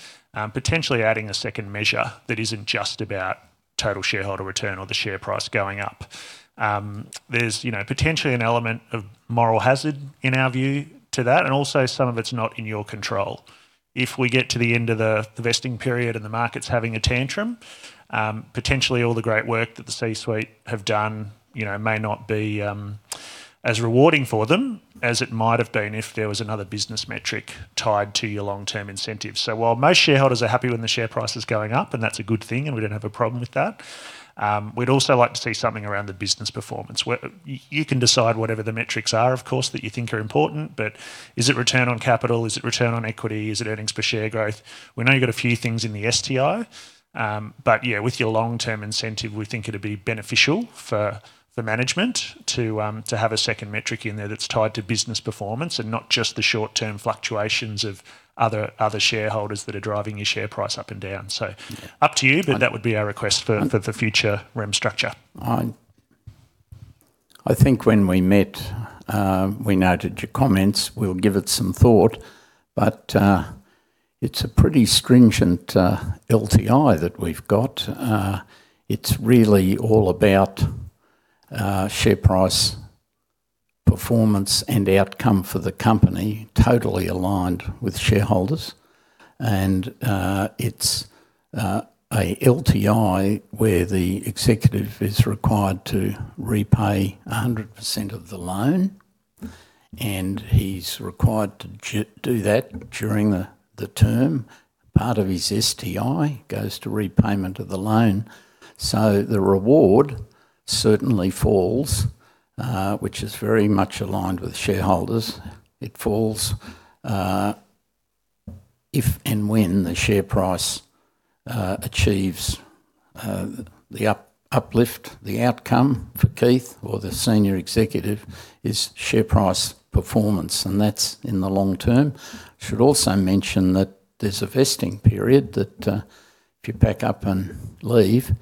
potentially adding a second measure that isn't just about total shareholder return or the share price going up. There's potentially an element of moral hazard, in our view, to that, and also some of it's not in your control. If we get to the end of the vesting period and the market's having a tantrum, potentially all the great work that the C-suite have done may not be as rewarding for them as it might have been if there was another business metric tied to your long-term incentive. While most shareholders are happy when the share price is going up, and that's a good thing and we don't have a problem with that, we'd also like to see something around the business performance, where you can decide whatever the metrics are, of course, that you think are important. Is it return on capital? Is it return on equity? Is it earnings per share growth? We know you got a few things in the STI, but yeah, with your long-term incentive, we think it'd be beneficial for the management to have a second metric in there that's tied to business performance and not just the short-term fluctuations of other shareholders that are driving your share price up and down. Up to you, but that would be our request for the future REM structure.
I think when we met, we noted your comments. We'll give it some thought, it's a pretty stringent LTI that we've got. It's really all about share price performance and outcome for the company, totally aligned with shareholders. It's a LTI where the executive is required to repay 100% of the loan, and he's required to do that during the term. Part of his STI goes to repayment of the loan. The reward certainly falls, which is very much aligned with shareholders. It falls if and when the share price achieves the uplift. The outcome for Keith or the senior executive is share price performance, and that's in the long term. Should also mention that there's a vesting period that if you pack up and leave,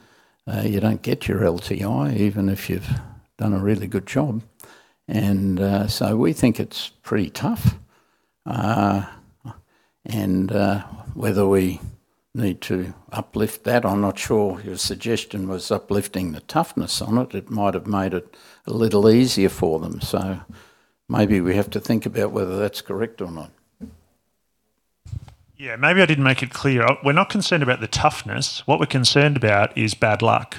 you don't get your LTI even if you've done a really good job. We think it's pretty tough. Whether we need to uplift that, I'm not sure. Your suggestion was uplifting the toughness on it. It might have made it a little easier for them. Maybe we have to think about whether that's correct or not.
Yeah. Maybe I didn't make it clear. We're not concerned about the toughness. What we're concerned about is bad luck.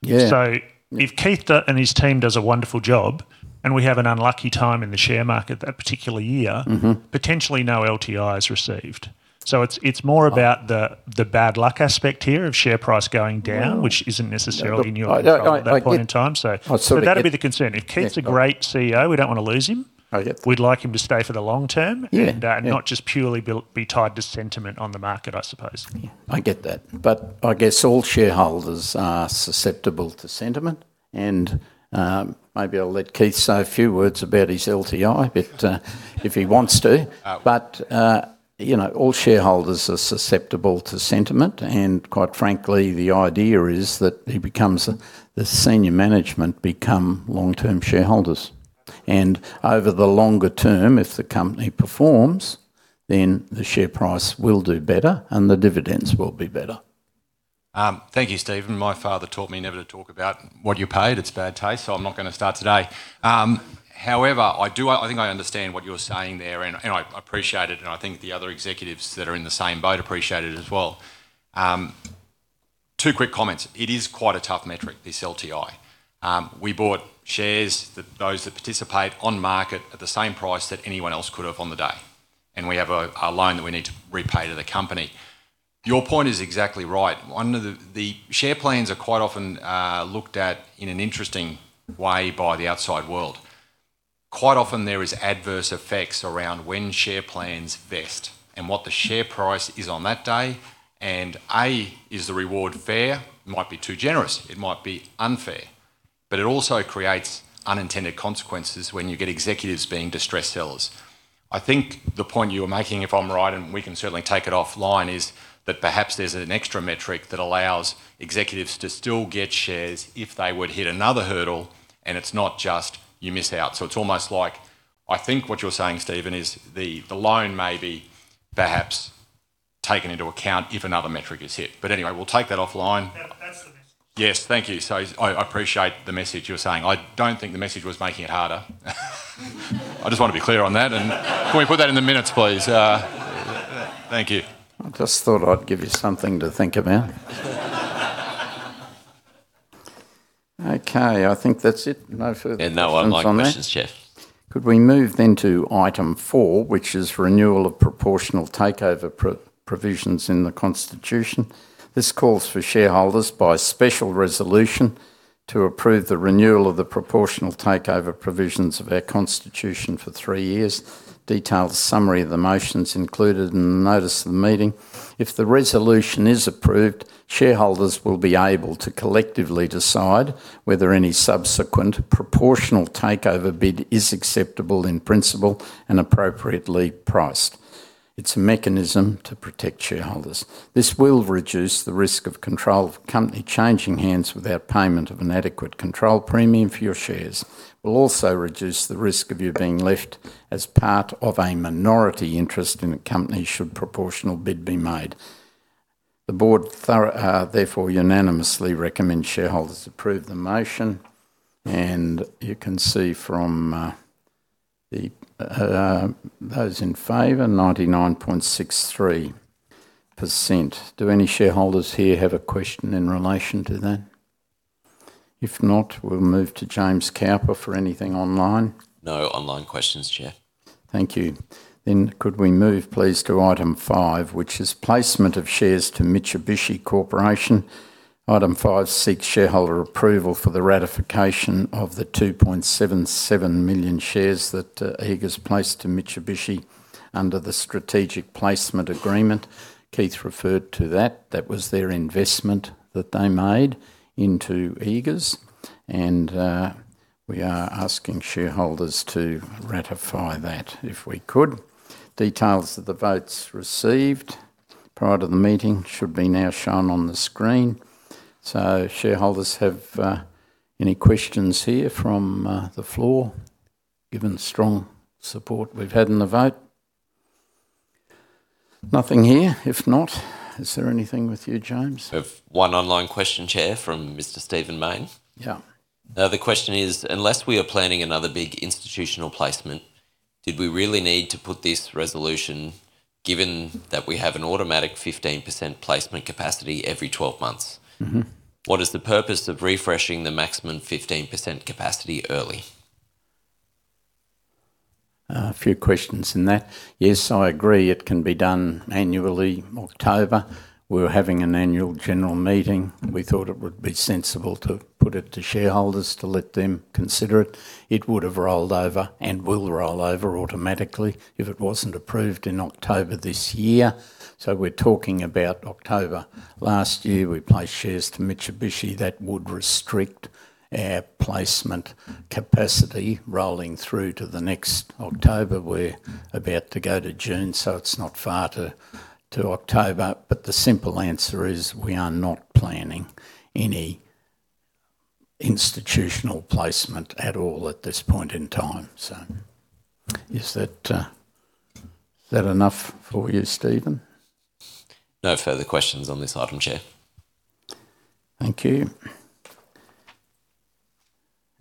Yeah.
If Keith and his team does a wonderful job and we have an unlucky time in the share market that particular year. Potentially no LTI is received. It's more about the bad luck aspect here of share price going down.
No.
Which isn't necessarily in your control at that point in time.
I sort of get.
That'd be the concern. If Keith's a great CEO, we don't want to lose him.
Oh, yep.
We'd like him to stay for the long term.
Yeah.
Not just purely be tied to sentiment on the market, I suppose.
Yeah. I get that, but I guess all shareholders are susceptible to sentiment, and maybe I'll let Keith say a few words about his LTI if he wants to.
Oh.
All shareholders are susceptible to sentiment, and quite frankly, the idea is that he becomes the senior management, become long-term shareholders. Over the longer term, if the company performs, then the share price will do better and the dividends will be better.
Thank you, Steve. My father taught me never to talk about what you're paid. It's bad taste, so I'm not going to start today. However, I think I understand what you're saying there, and I appreciate it, and I think the other executives that are in the same boat appreciate it as well. Two quick comments. It is quite a tough metric, this LTI. We bought shares, those that participate on market at the same price that anyone else could have on the day, and we have a loan that we need to repay to the company. Your point is exactly right. The share plans are quite often looked at in an interesting way by the outside world. Quite often there is adverse effects around when share plans vest and what the share price is on that day, and, A, is the reward fair? It might be too generous. It might be unfair. It also creates unintended consequences when you get executives being distressed sellers. I think the point you're making, if I'm right, and we can certainly take it offline, is that perhaps there's an extra metric that allows executives to still get shares if they would hit another hurdle, and it's not just you miss out. It's almost like, I think what you're saying, Steve, is the loan may be perhaps taken into account if another metric is hit. Anyway, we'll take that offline.
That's the message.
Yes. Thank you. I appreciate the message you're saying. I don't think the message was making it harder. I just want to be clear on that and can we put that in the minutes, please? Thank you.
I just thought I'd give you something to think about. Okay. I think that's it. No further comments on that.
Yeah, no online questions, Chair.
Could we move then to item four, which is renewal of proportional takeover provisions in the Constitution? This calls for shareholders by special resolution to approve the renewal of the proportional takeover provisions of our Constitution for three years. Detailed summary of the motion's included in the notice of meeting. If the resolution is approved, shareholders will be able to collectively decide whether any subsequent proportional takeover bid is acceptable in principle and appropriately priced. It's a mechanism to protect shareholders. This will reduce the risk of control of company changing hands without payment of an adequate control premium for your shares. This will also reduce the risk of you being left as part of a minority interest in a company should proportional bid be made. The Board, therefore, unanimously recommend shareholders approve the motion. You can see, those in favor, 99.63%. Do any shareholders here have a question in relation to that? If not, we'll move to James Couper for anything online.
No online questions, Chair.
Thank you. Could we move please to item five, which is placement of shares to Mitsubishi Corporation. Item five seeks shareholder approval for the ratification of the 2.77 million shares that Eagers placed to Mitsubishi under the strategic placement agreement. Keith referred to that. That was their investment that they made into Eagers. We are asking shareholders to ratify that if we could. Details of the votes received prior to the meeting should be now shown on the screen. Shareholders have any questions here from the floor given the strong support we've had in the vote? Nothing here. If not, is there anything with you, James?
We have one online question, Chair, from Mr. Stephen Mayne.
Yeah.
The question is, unless we are planning another big institutional placement, did we really need to put this resolution given that we have an automatic 15% placement capacity every 12 months? What is the purpose of refreshing the maximum 15% capacity early?
A few questions in that. Yes, I agree it can be done annually, October. We're having an annual general meeting. We thought it would be sensible to put it to shareholders to let them consider it. It would have rolled over, and will roll over automatically if it wasn't approved in October this year. We're talking about October last year, we placed shares to Mitsubishi that would restrict our placement capacity rolling through to the next October. We're about to go to June, so it's not far to October. The simple answer is, we are not planning any institutional placement at all at this point in time. Is that enough for you, Stephen?
No further questions on this item, Chair.
Thank you.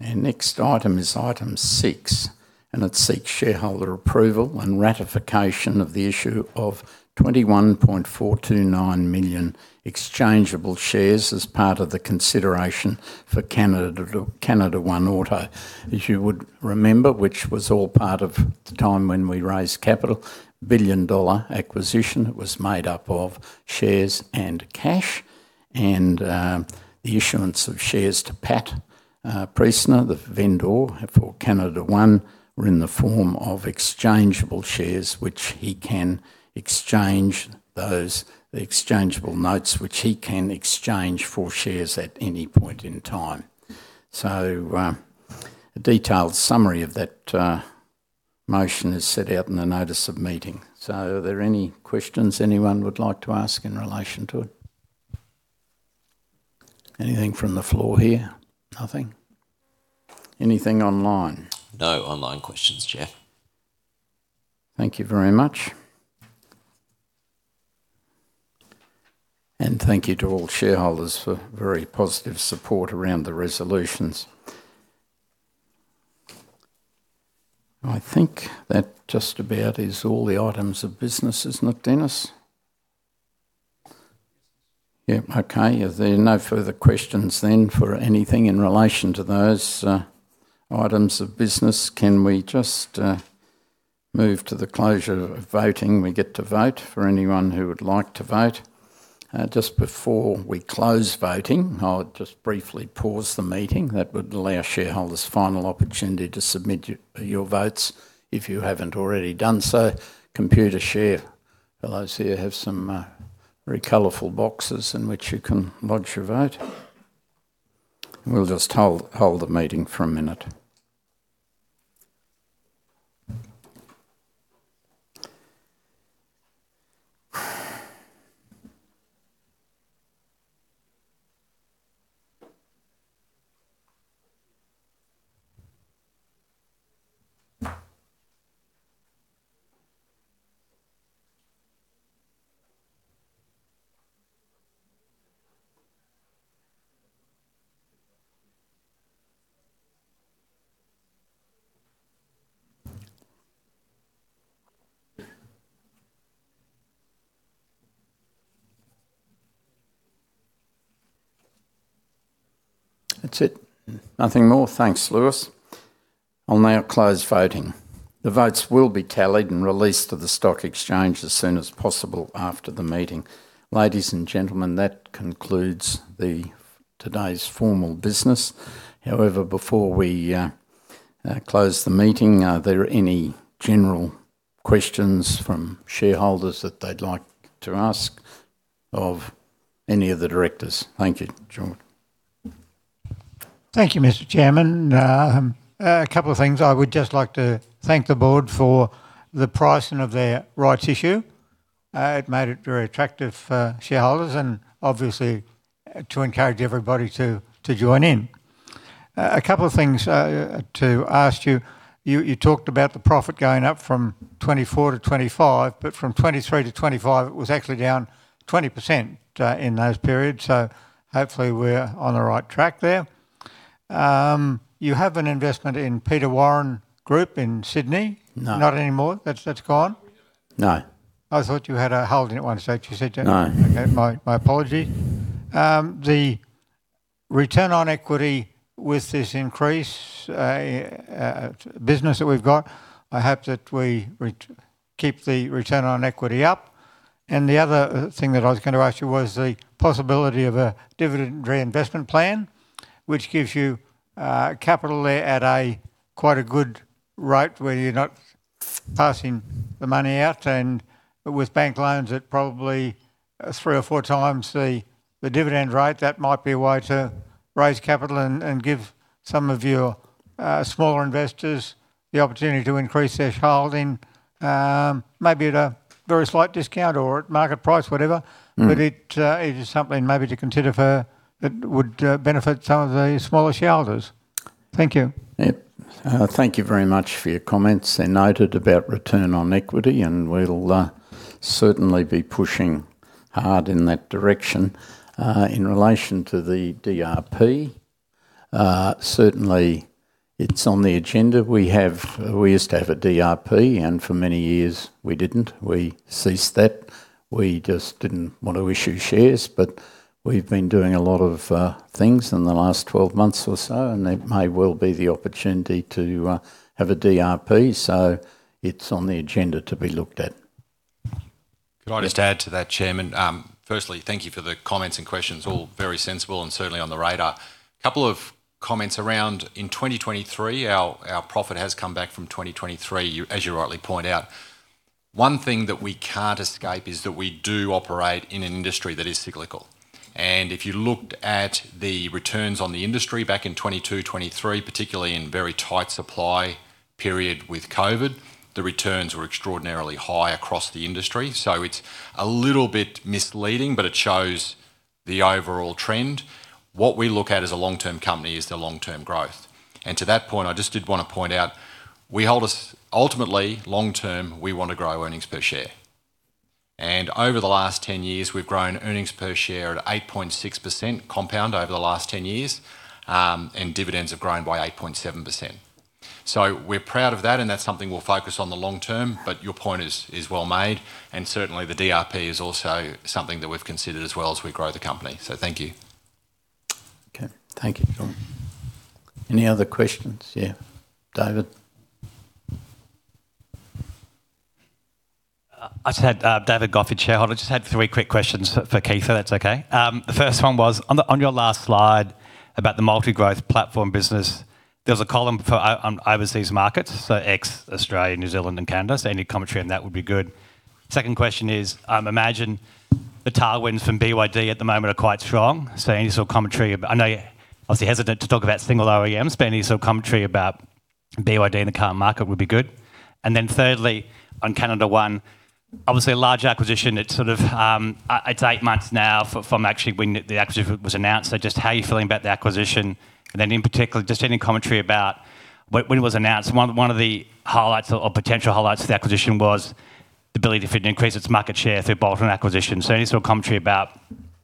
Our next item is item six, it seeks shareholder approval and ratification of the issue of 21.429 million exchangeable shares as part of the consideration for CanadaOne Auto. As you would remember, which was all part of the time when we raised capital, billion-dollar acquisition that was made up of shares and cash. The issuance of shares to Pat Priestner, the vendor for CanadaOne, were in the form of exchangeable shares, the exchangeable notes, which he can exchange for shares at any point in time. A detailed summary of that motion is set out in the notice of meeting. Are there any questions anyone would like to ask in relation to it? Anything from the floor here? Nothing? Anything online?
No online questions, Chair.
Thank you very much. Thank you to all shareholders for very positive support around the resolutions. I think that just about is all the items of business, is it not, Denis? Yep, okay. If there are no further questions then for anything in relation to those items of business, can we just move to the closure of voting? We get to vote for anyone who would like to vote. Just before we close voting, I'll just briefly pause the meeting. That would allow shareholders final opportunity to submit your votes if you haven't already done so. Computershare fellows here have some very colorful boxes in which you can lodge your vote. We'll just hold the meeting for a minute. That's it. Nothing more. Thanks, Lewis. I'll now close voting. The votes will be tallied and released to the stock exchange as soon as possible after the meeting. Ladies and gentlemen, that concludes today's formal business. Before we close the meeting, are there any general questions from shareholders that they'd like to ask of any of the directors? Thank you. George.
Thank you, Mr. Chairman. A couple of things. I would just like to thank the board for the pricing of their rights issue. It made it very attractive for shareholders and obviously to encourage everybody to join in. A couple of things to ask you. You talked about the profit going up from 2024 to 2025, but from 2023 to 2025, it was actually down 20% in those periods. Hopefully we're on the right track there. You have an investment in Peter Warren Group in Sydney.
No.
Not anymore? That's gone?
No.
I thought you had a holding at one stage. You said.
No.
Okay, my apologies. The return on equity with this increase business that we've got, I hope that we keep the return on equity up. The other thing that I was going to ask you was the possibility of a dividend reinvestment plan, which gives you capital there at quite a good rate where you're not passing the money out. With bank loans at probably three or four times the dividend rate, that might be a way to raise capital and give some of your smaller investors the opportunity to increase their holding, maybe at a very slight discount or at market price, whatever. It is something maybe to consider that would benefit some of the smaller shareholders. Thank you.
Yep. Thank you very much for your comments. They're noted about return on equity, and we'll certainly be pushing hard in that direction. In relation to the DRP, certainly it's on the agenda. We used to have a DRP and for many years we didn't. We ceased that. We just didn't want to issue shares, but we've been doing a lot of things in the last 12 months or so, and there may well be the opportunity to have a DRP. It's on the agenda to be looked at.
Could I just add to that, Chairman? Firstly, thank you for the comments and questions. All very sensible and certainly on the radar. A couple of comments around, in 2023, our profit has come back from 2023, as you rightly point out. One thing that we can't escape is that we do operate in an industry that is cyclical. If you looked at the returns on the industry back in 2022, 2023, particularly in very tight supply period with COVID, the returns were extraordinarily high across the industry. It's a little bit misleading, but it shows the overall trend. What we look at as a long-term company is the long-term growth. To that point, I just did want to point out, ultimately, long term, we want to grow earnings per share. Over the last 10 years, we've grown earnings per share at 8.6% compound over the last 10 years, and dividends have grown by 8.7%. We're proud of that, and that's something we'll focus on the long term. Your point is well made, and certainly the DRP is also something that we've considered as well as we grow the company. Thank you.
Okay. Thank you. Any other questions? Yeah, David.
David Goffey, shareholder. Just had three quick questions for Keith, if that's okay. The first one was, on your last slide about the multi-growth platform business, there was a column for overseas markets, so ex-Australia, New Zealand, and Canada. Any commentary on that would be good. Second question is, I imagine the tailwinds from BYD at the moment are quite strong. Any sort of commentary, I know you're obviously hesitant to talk about single OEMs, but any sort of commentary about BYD in the current market would be good. Thirdly, on CanadaOne, obviously a large acquisition. It's eight months now from when the acquisition was announced. Just how are you feeling about the acquisition? In particular, just any commentary about when it was announced, one of the potential highlights of the acquisition was the ability for it to increase its market share through bolt-on acquisitions. Any sort of commentary about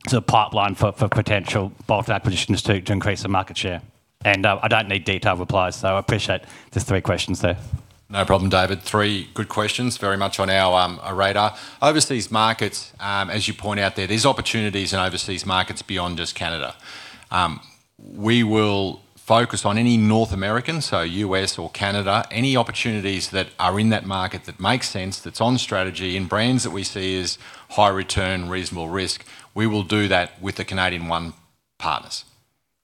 the pipeline for potential bolt-on acquisitions to increase the market share. I don't need detailed replies, so I appreciate just three questions there.
No problem, David. Three good questions, very much on our radar. Overseas markets, as you point out there's opportunities in overseas markets beyond just Canada. We will focus on any North American, so U.S. or Canada, any opportunities that are in that market that make sense, that's on strategy, in brands that we see as high return, reasonable risk, we will do that with the CanadaOne partners.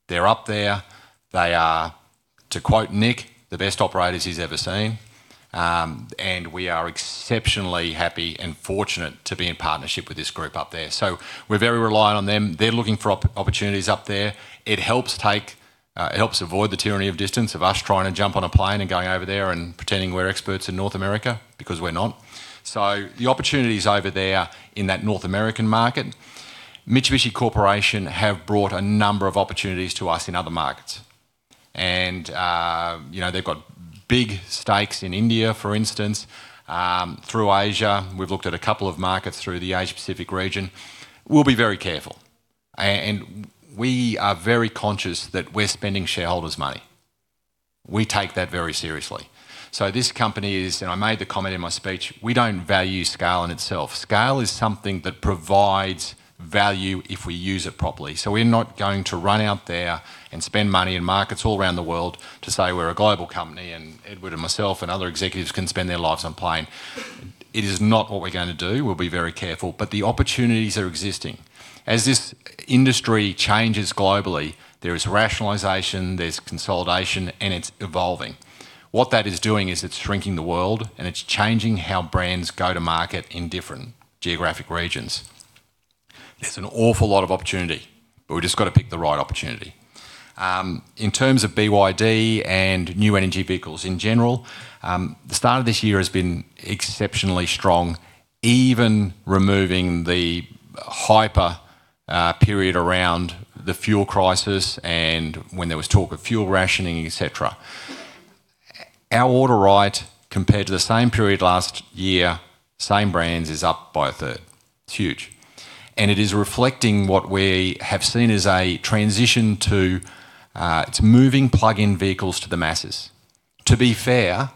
They're up there. They are, to quote Nick, the best operators he's ever seen. We are exceptionally happy and fortunate to be in partnership with this group up there. We're very reliant on them. They're looking for opportunities up there. It helps avoid the tyranny of distance, of us trying to jump on a plane and going over there and pretending we're experts in North America, because we're not. The opportunities over there in that North American market, Mitsubishi Corporation have brought a number of opportunities to us in other markets. They've got big stakes in India, for instance, through Asia. We've looked at a couple of markets through the Asia-Pacific region. We'll be very careful, and we are very conscious that we're spending shareholders' money. We take that very seriously. This company is, and I made the comment in my speech, we don't value scale in itself. Scale is something that provides value if we use it properly. We're not going to run out there and spend money in markets all around the world to say we're a global company and Edward and myself and other executives can spend their lives on a plane. It is not what we're going to do. We'll be very careful. The opportunities are existing. As this industry changes globally, there is rationalization, there's consolidation, and it's evolving. What that is doing is it's shrinking the world, and it's changing how brands go to market in different geographic regions. There's an awful lot of opportunity, but we've just got to pick the right opportunity. In terms of BYD and new energy vehicles in general, the start of this year has been exceptionally strong, even removing the hyper period around the fuel crisis and when there was talk of fuel rationing, et cetera. Our order right compared to the same period last year, same brands, is up by a third. It's huge. It is reflecting what we have seen as a transition to moving plug-in vehicles to the masses. To be fair,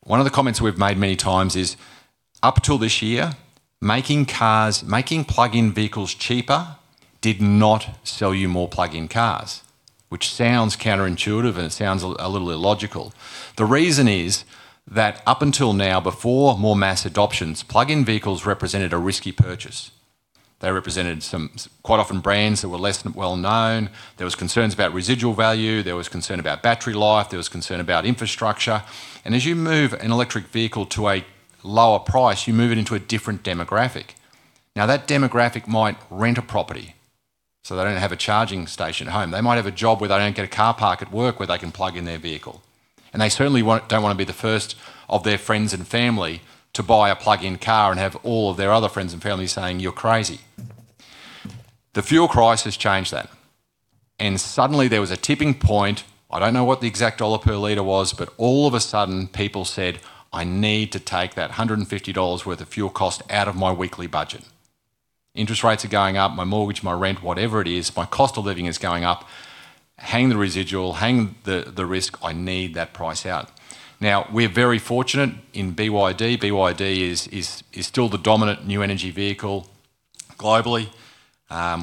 one of the comments we've made many times is, up till this year, making cars, making plug-in vehicles cheaper did not sell you more plug-in cars, which sounds counterintuitive and it sounds a little illogical. The reason is that up until now, before more mass adoptions, plug-in vehicles represented a risky purchase. They represented quite often brands that were less well-known. There was concerns about residual value. There was concern about battery life. There was concern about infrastructure. As you move an electric vehicle to a lower price, you move it into a different demographic. Now, that demographic might rent a property, so they don't have a charging station at home. They might have a job where they don't get a car park at work where they can plug in their vehicle. They certainly don't want to be the first of their friends and family to buy a plug-in car and have all of their other friends and family saying, "You're crazy." The fuel crisis changed that, suddenly there was a tipping point. I don't know what the exact dollar per liter was, all of a sudden people said, "I need to take that 150 dollars worth of fuel cost out of my weekly budget. Interest rates are going up, my mortgage, my rent, whatever it is, my cost of living is going up. Hang the residual, hang the risk. I need that price out." We're very fortunate in BYD. BYD is still the dominant new energy vehicle globally.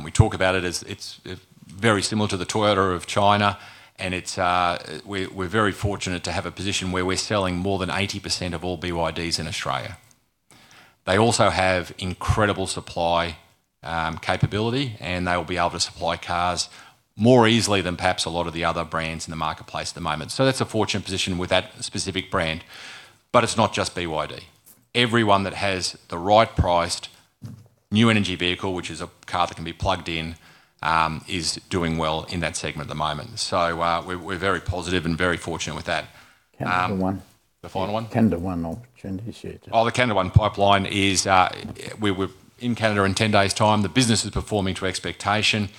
We talk about it as very similar to the Toyota of China, we're very fortunate to have a position where we're selling more than 80% of all BYDs in Australia. They also have incredible supply capability, and they'll be able to supply cars more easily than perhaps a lot of the other brands in the marketplace at the moment. That's a fortunate position with that specific brand. It's not just BYD. Everyone that has the right-priced new energy vehicle, which is a car that can be plugged in, is doing well in that segment at the moment. We're very positive and very fortunate with that.
CanadaOne.
The final one?
CanadaOne. I'll turn this here.
The CanadaOne pipeline is, we're in Canada in 10 days' time. The business is performing to expectation.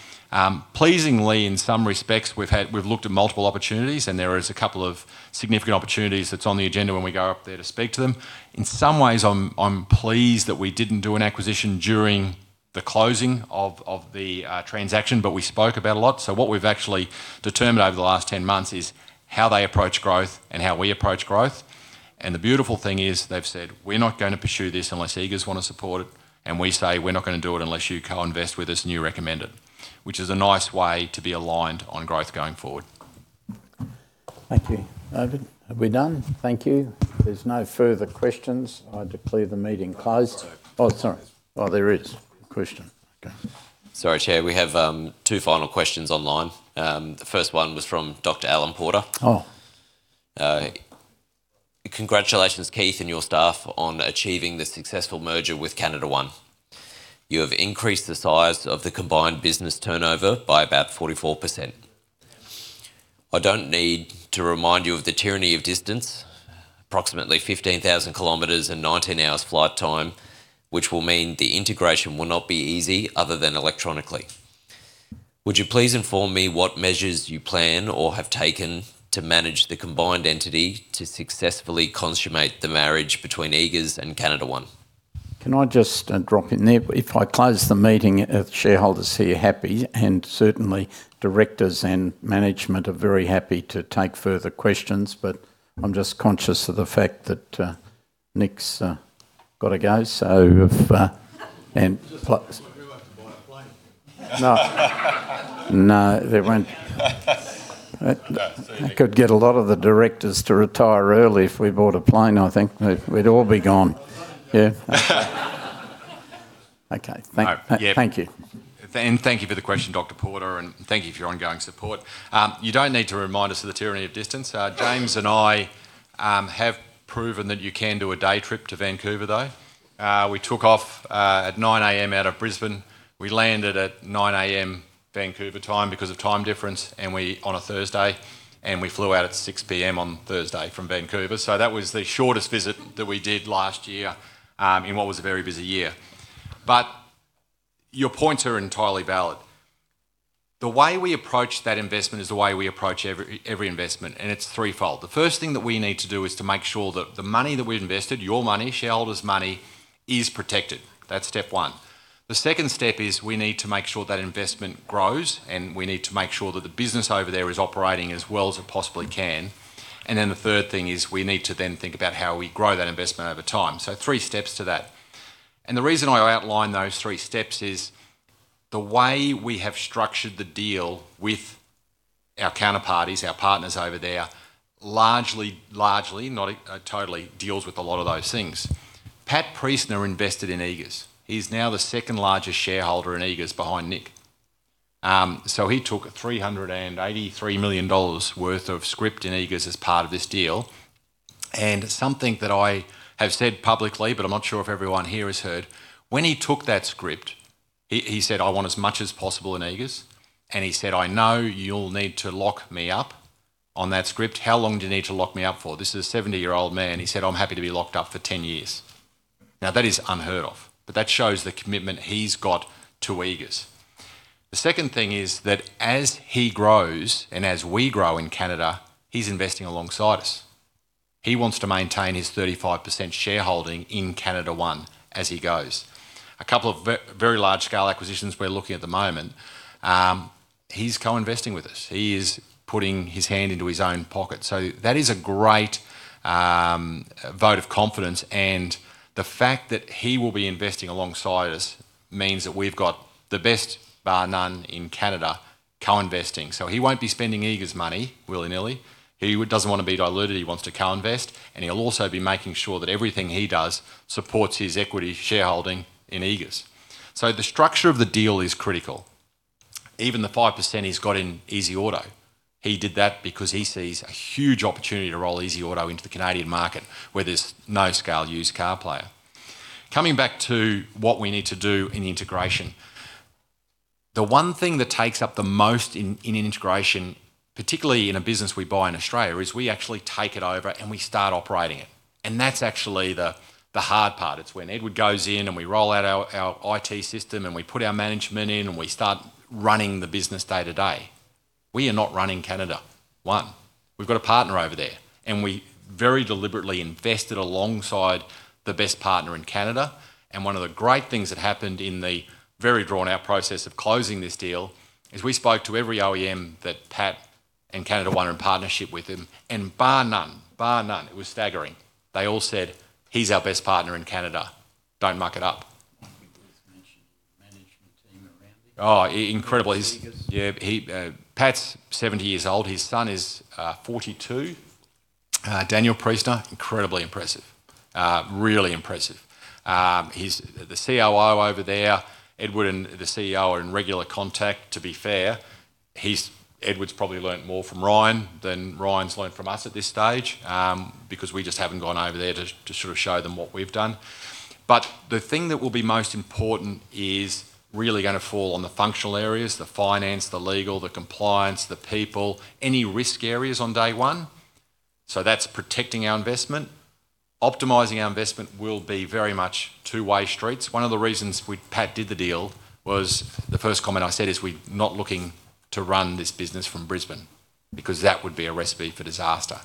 Pleasingly, in some respects, we've looked at multiple opportunities, and there is a couple of significant opportunities that's on the agenda when we go up there to speak to them. In some ways, I'm pleased that we didn't do an acquisition during the closing of the transaction, but we spoke about a lot. What we've actually determined over the last 10 months is how they approach growth and how we approach growth. The beautiful thing is they've said, "We're not going to pursue this unless Eagers want to support it." We say, "We're not going to do it unless you co-invest with us and you recommend it," which is a nice way to be aligned on growth going forward.
Thank you. David, are we done? Thank you. If there's no further questions, I declare the meeting closed.
No, sorry.
Oh, sorry. Oh, there is a question. Okay.
Sorry, Chair. We have two final questions online. The first one was from Dr. Alan Piper.
Oh.
Congratulations, Keith, and your staff on achieving the successful merger with CanadaOne. You have increased the size of the combined business turnover by about 44%. I don't need to remind you of the tyranny of distance, approximately 15,000 km and 19 hours flight time, which will mean the integration will not be easy other than electronically. Would you please inform me what measures you plan or have taken to manage the combined entity to successfully consummate the marriage between Eagers and CanadaOne?
Can I just drop in there? If I close the meeting, if the shareholders here are happy, certainly directors and management are very happy to take further questions. I'm just conscious of the fact that Nick's got to go. No. No, they won't.
No.
It could get a lot of the directors to retire early if we bought a plane, I think. We'd all be gone. Yeah. Yeah. Okay. Thank you.
Thank you for the question, Dr. Piper, thank you for your ongoing support. You don't need to remind us of the tyranny of distance. James and I have proven that you can do a day trip to Vancouver, though. We took off at 9:00 A.M. out of Brisbane. We landed at 9:00 A.M. Vancouver time because of time difference, on a Thursday, we flew out at 6:00 P.M. on Thursday from Vancouver. That was the shortest visit that we did last year, in what was a very busy year. Your points are entirely valid. The way we approach that investment is the way we approach every investment, it's threefold. The first thing that we need to do is to make sure that the money that we've invested, your money, shareholders' money, is protected. That's step one. The second step is we need to make sure that investment grows, and we need to make sure that the business over there is operating as well as it possibly can. The third thing is we need to then think about how we grow that investment over time. Three steps to that. The reason I outline those three steps is the way we have structured the deal with our counterparties, our partners over there, largely, not totally, deals with a lot of those things. Pat Priestner invested in Eagers. He's now the second-largest shareholder in Eagers behind Nick. He took 383 million dollars worth of script in Eagers as part of this deal. Something that I have said publicly, but I'm not sure if everyone here has heard, when he took that script, he said, "I want as much as possible in Eagers." He said, "I know you'll need to lock me up on that script. How long do you need to lock me up for?" This is a 70-year-old man. He said, "I'm happy to be locked up for 10 years." That is unheard of, but that shows the commitment he's got to Eagers. The second thing is that as he grows and as we grow in Canada, he's investing alongside us. He wants to maintain his 35% shareholding in CanadaOne as he goes. A couple of very large-scale acquisitions we're looking at the moment, he's co-investing with us. He is putting his hand into his own pocket. That is a great vote of confidence, and the fact that he will be investing alongside us means that we've got the best bar none in Canada co-investing. He won't be spending Eagers money willy-nilly. He doesn't want to be diluted. He wants to co-invest, and he'll also be making sure that everything he does supports his equity shareholding in Eagers. The structure of the deal is critical. Even the 5% he's got in easyauto, he did that because he sees a huge opportunity to roll easyauto into the Canadian market where there's no scale used car player. Coming back to what we need to do in integration. The one thing that takes up the most in an integration, particularly in a business we buy in Australia, is we actually take it over and we start operating it. That's actually the hard part. It's when Edward goes in and we roll out our IT system and we put our management in and we start running the business day to day. We are not running CanadaOne. We've got a partner over there. We very deliberately invested alongside the best partner in Canada. One of the great things that happened in the very drawn-out process of closing this deal is we spoke to every OEM that Pat and CanadaOne are in partnership with him. Bar none, it was staggering. They all said, "He's our best partner in Canada. Don't muck it up.
I think he also mentioned the management team around him. Oh, incredible. In Eagers.
Pat's 70 years old. His son is 42. Daniel Priestner, incredibly impressive. Really impressive. He's the COO over there. Edward and the CEO are in regular contact, to be fair. Edward's probably learned more from Ryan than Ryan's learned from us at this stage, because we just haven't gone over there to show them what we've done. The thing that will be most important is really going to fall on the functional areas, the finance, the legal, the compliance, the people, any risk areas on day one. That's protecting our investment. Optimizing our investment will be very much two-way streets. One of the reasons Pat did the deal was the first comment I said is, "We're not looking to run this business from Brisbane," because that would be a recipe for disaster.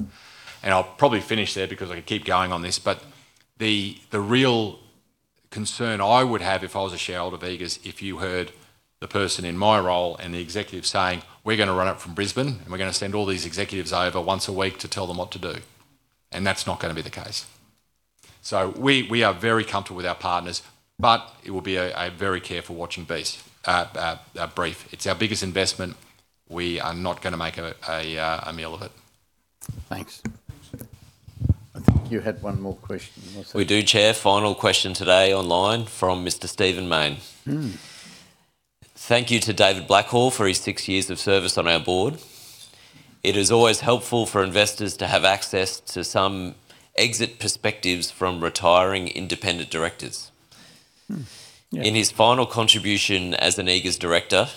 I'll probably finish there because I could keep going on this. The real concern I would have if I was a shareholder of Eagers, if you heard the person in my role and the executive saying, "We're going to run it from Brisbane, and we're going to send all these executives over once a week to tell them what to do." That's not going to be the case. We are very comfortable with our partners, but it will be a very careful watching brief. It's our biggest investment. We are not going to make a meal of it.
Thanks. I think you had one more question also.
We do, Chair. Final question today online from Mr. Stephen Mayne. Thank you to David Blackhall for his six years of service on our board. It is always helpful for investors to have access to some exit perspectives from retiring independent directors.
Yeah.
In his final contribution as an Eagers director,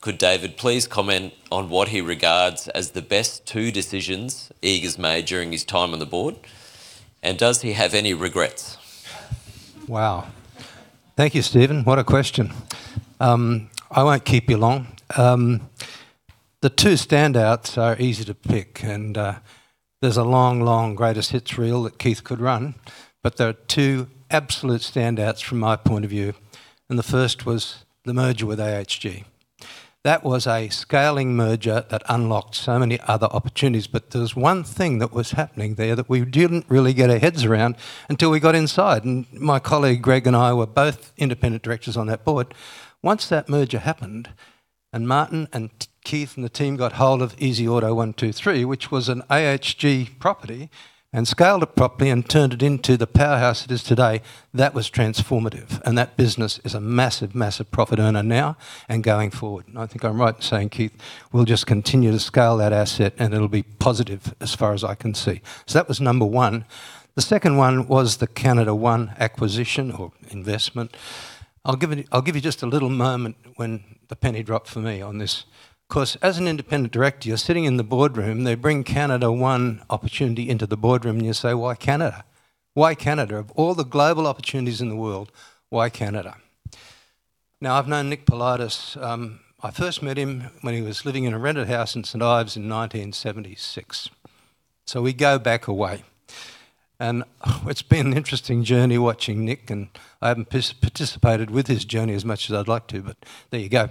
could David please comment on what he regards as the best two decisions Eagers made during his time on the board, and does he have any regrets?
Wow. Thank you, Stephen. What a question. I won't keep you long. The two standouts are easy to pick. There's a long, long greatest hits reel that Keith Thornton could run. There are two absolute standouts from my point of view. The first was the merger with AHG. That was a scaling merger that unlocked so many other opportunities. There's one thing that was happening there that we didn't really get our heads around until we got inside. My colleague Greg Duncan and I were both independent directors on that board. Once that merger happened, Martin Ward and Keith Thornton and the team got hold of easyauto123, which was an AHG property. Scaled it properly and turned it into the powerhouse it is today. That was transformative. That business is a massive profit earner now and going forward. I think I'm right in saying, Keith, we'll just continue to scale that asset, and it'll be positive as far as I can see. That was number one. The second one was the CanadaOne acquisition or investment. I'll give you just a little moment when the penny dropped for me on this, because as an independent director, you're sitting in the boardroom, they bring CanadaOne opportunity into the boardroom, and you say, "Why Canada?" Of all the global opportunities in the world, why Canada? Now, I've known Nick Politis, I first met him when he was living in a rented house in St. Ives in 1976. We go back a way, and it's been an interesting journey watching Nick, and I haven't participated with his journey as much as I'd like to, but there you go.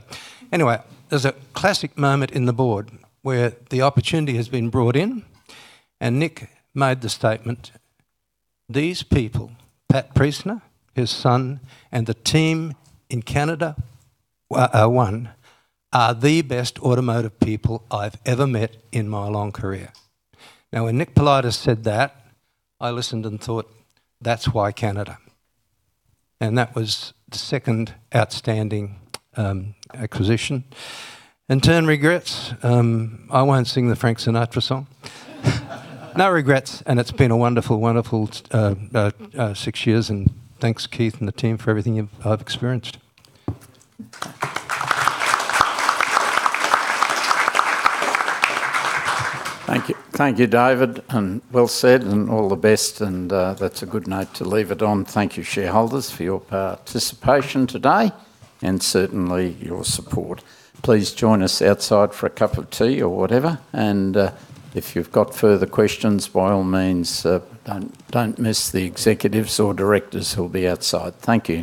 There's a classic moment in the board where the opportunity has been brought in and Nick made the statement, "These people, Pat Priestner, his son, and the team in CanadaOne are the best automotive people I've ever met in my long career." When Nick Politis said that, I listened and thought, "That's why Canada." That was the second outstanding acquisition. In turn, regrets, I won't sing the Frank Sinatra song. No regrets, and it's been a wonderful six years, and thanks, Keith and the team, for everything I've experienced.
Thank you. Thank you, David. Well said and all the best, and that's a good note to leave it on. Thank you, shareholders, for your participation today and certainly your support. Please join us outside for a cup of tea or whatever. If you've got further questions, by all means, don't miss the executives or directors who'll be outside. Thank you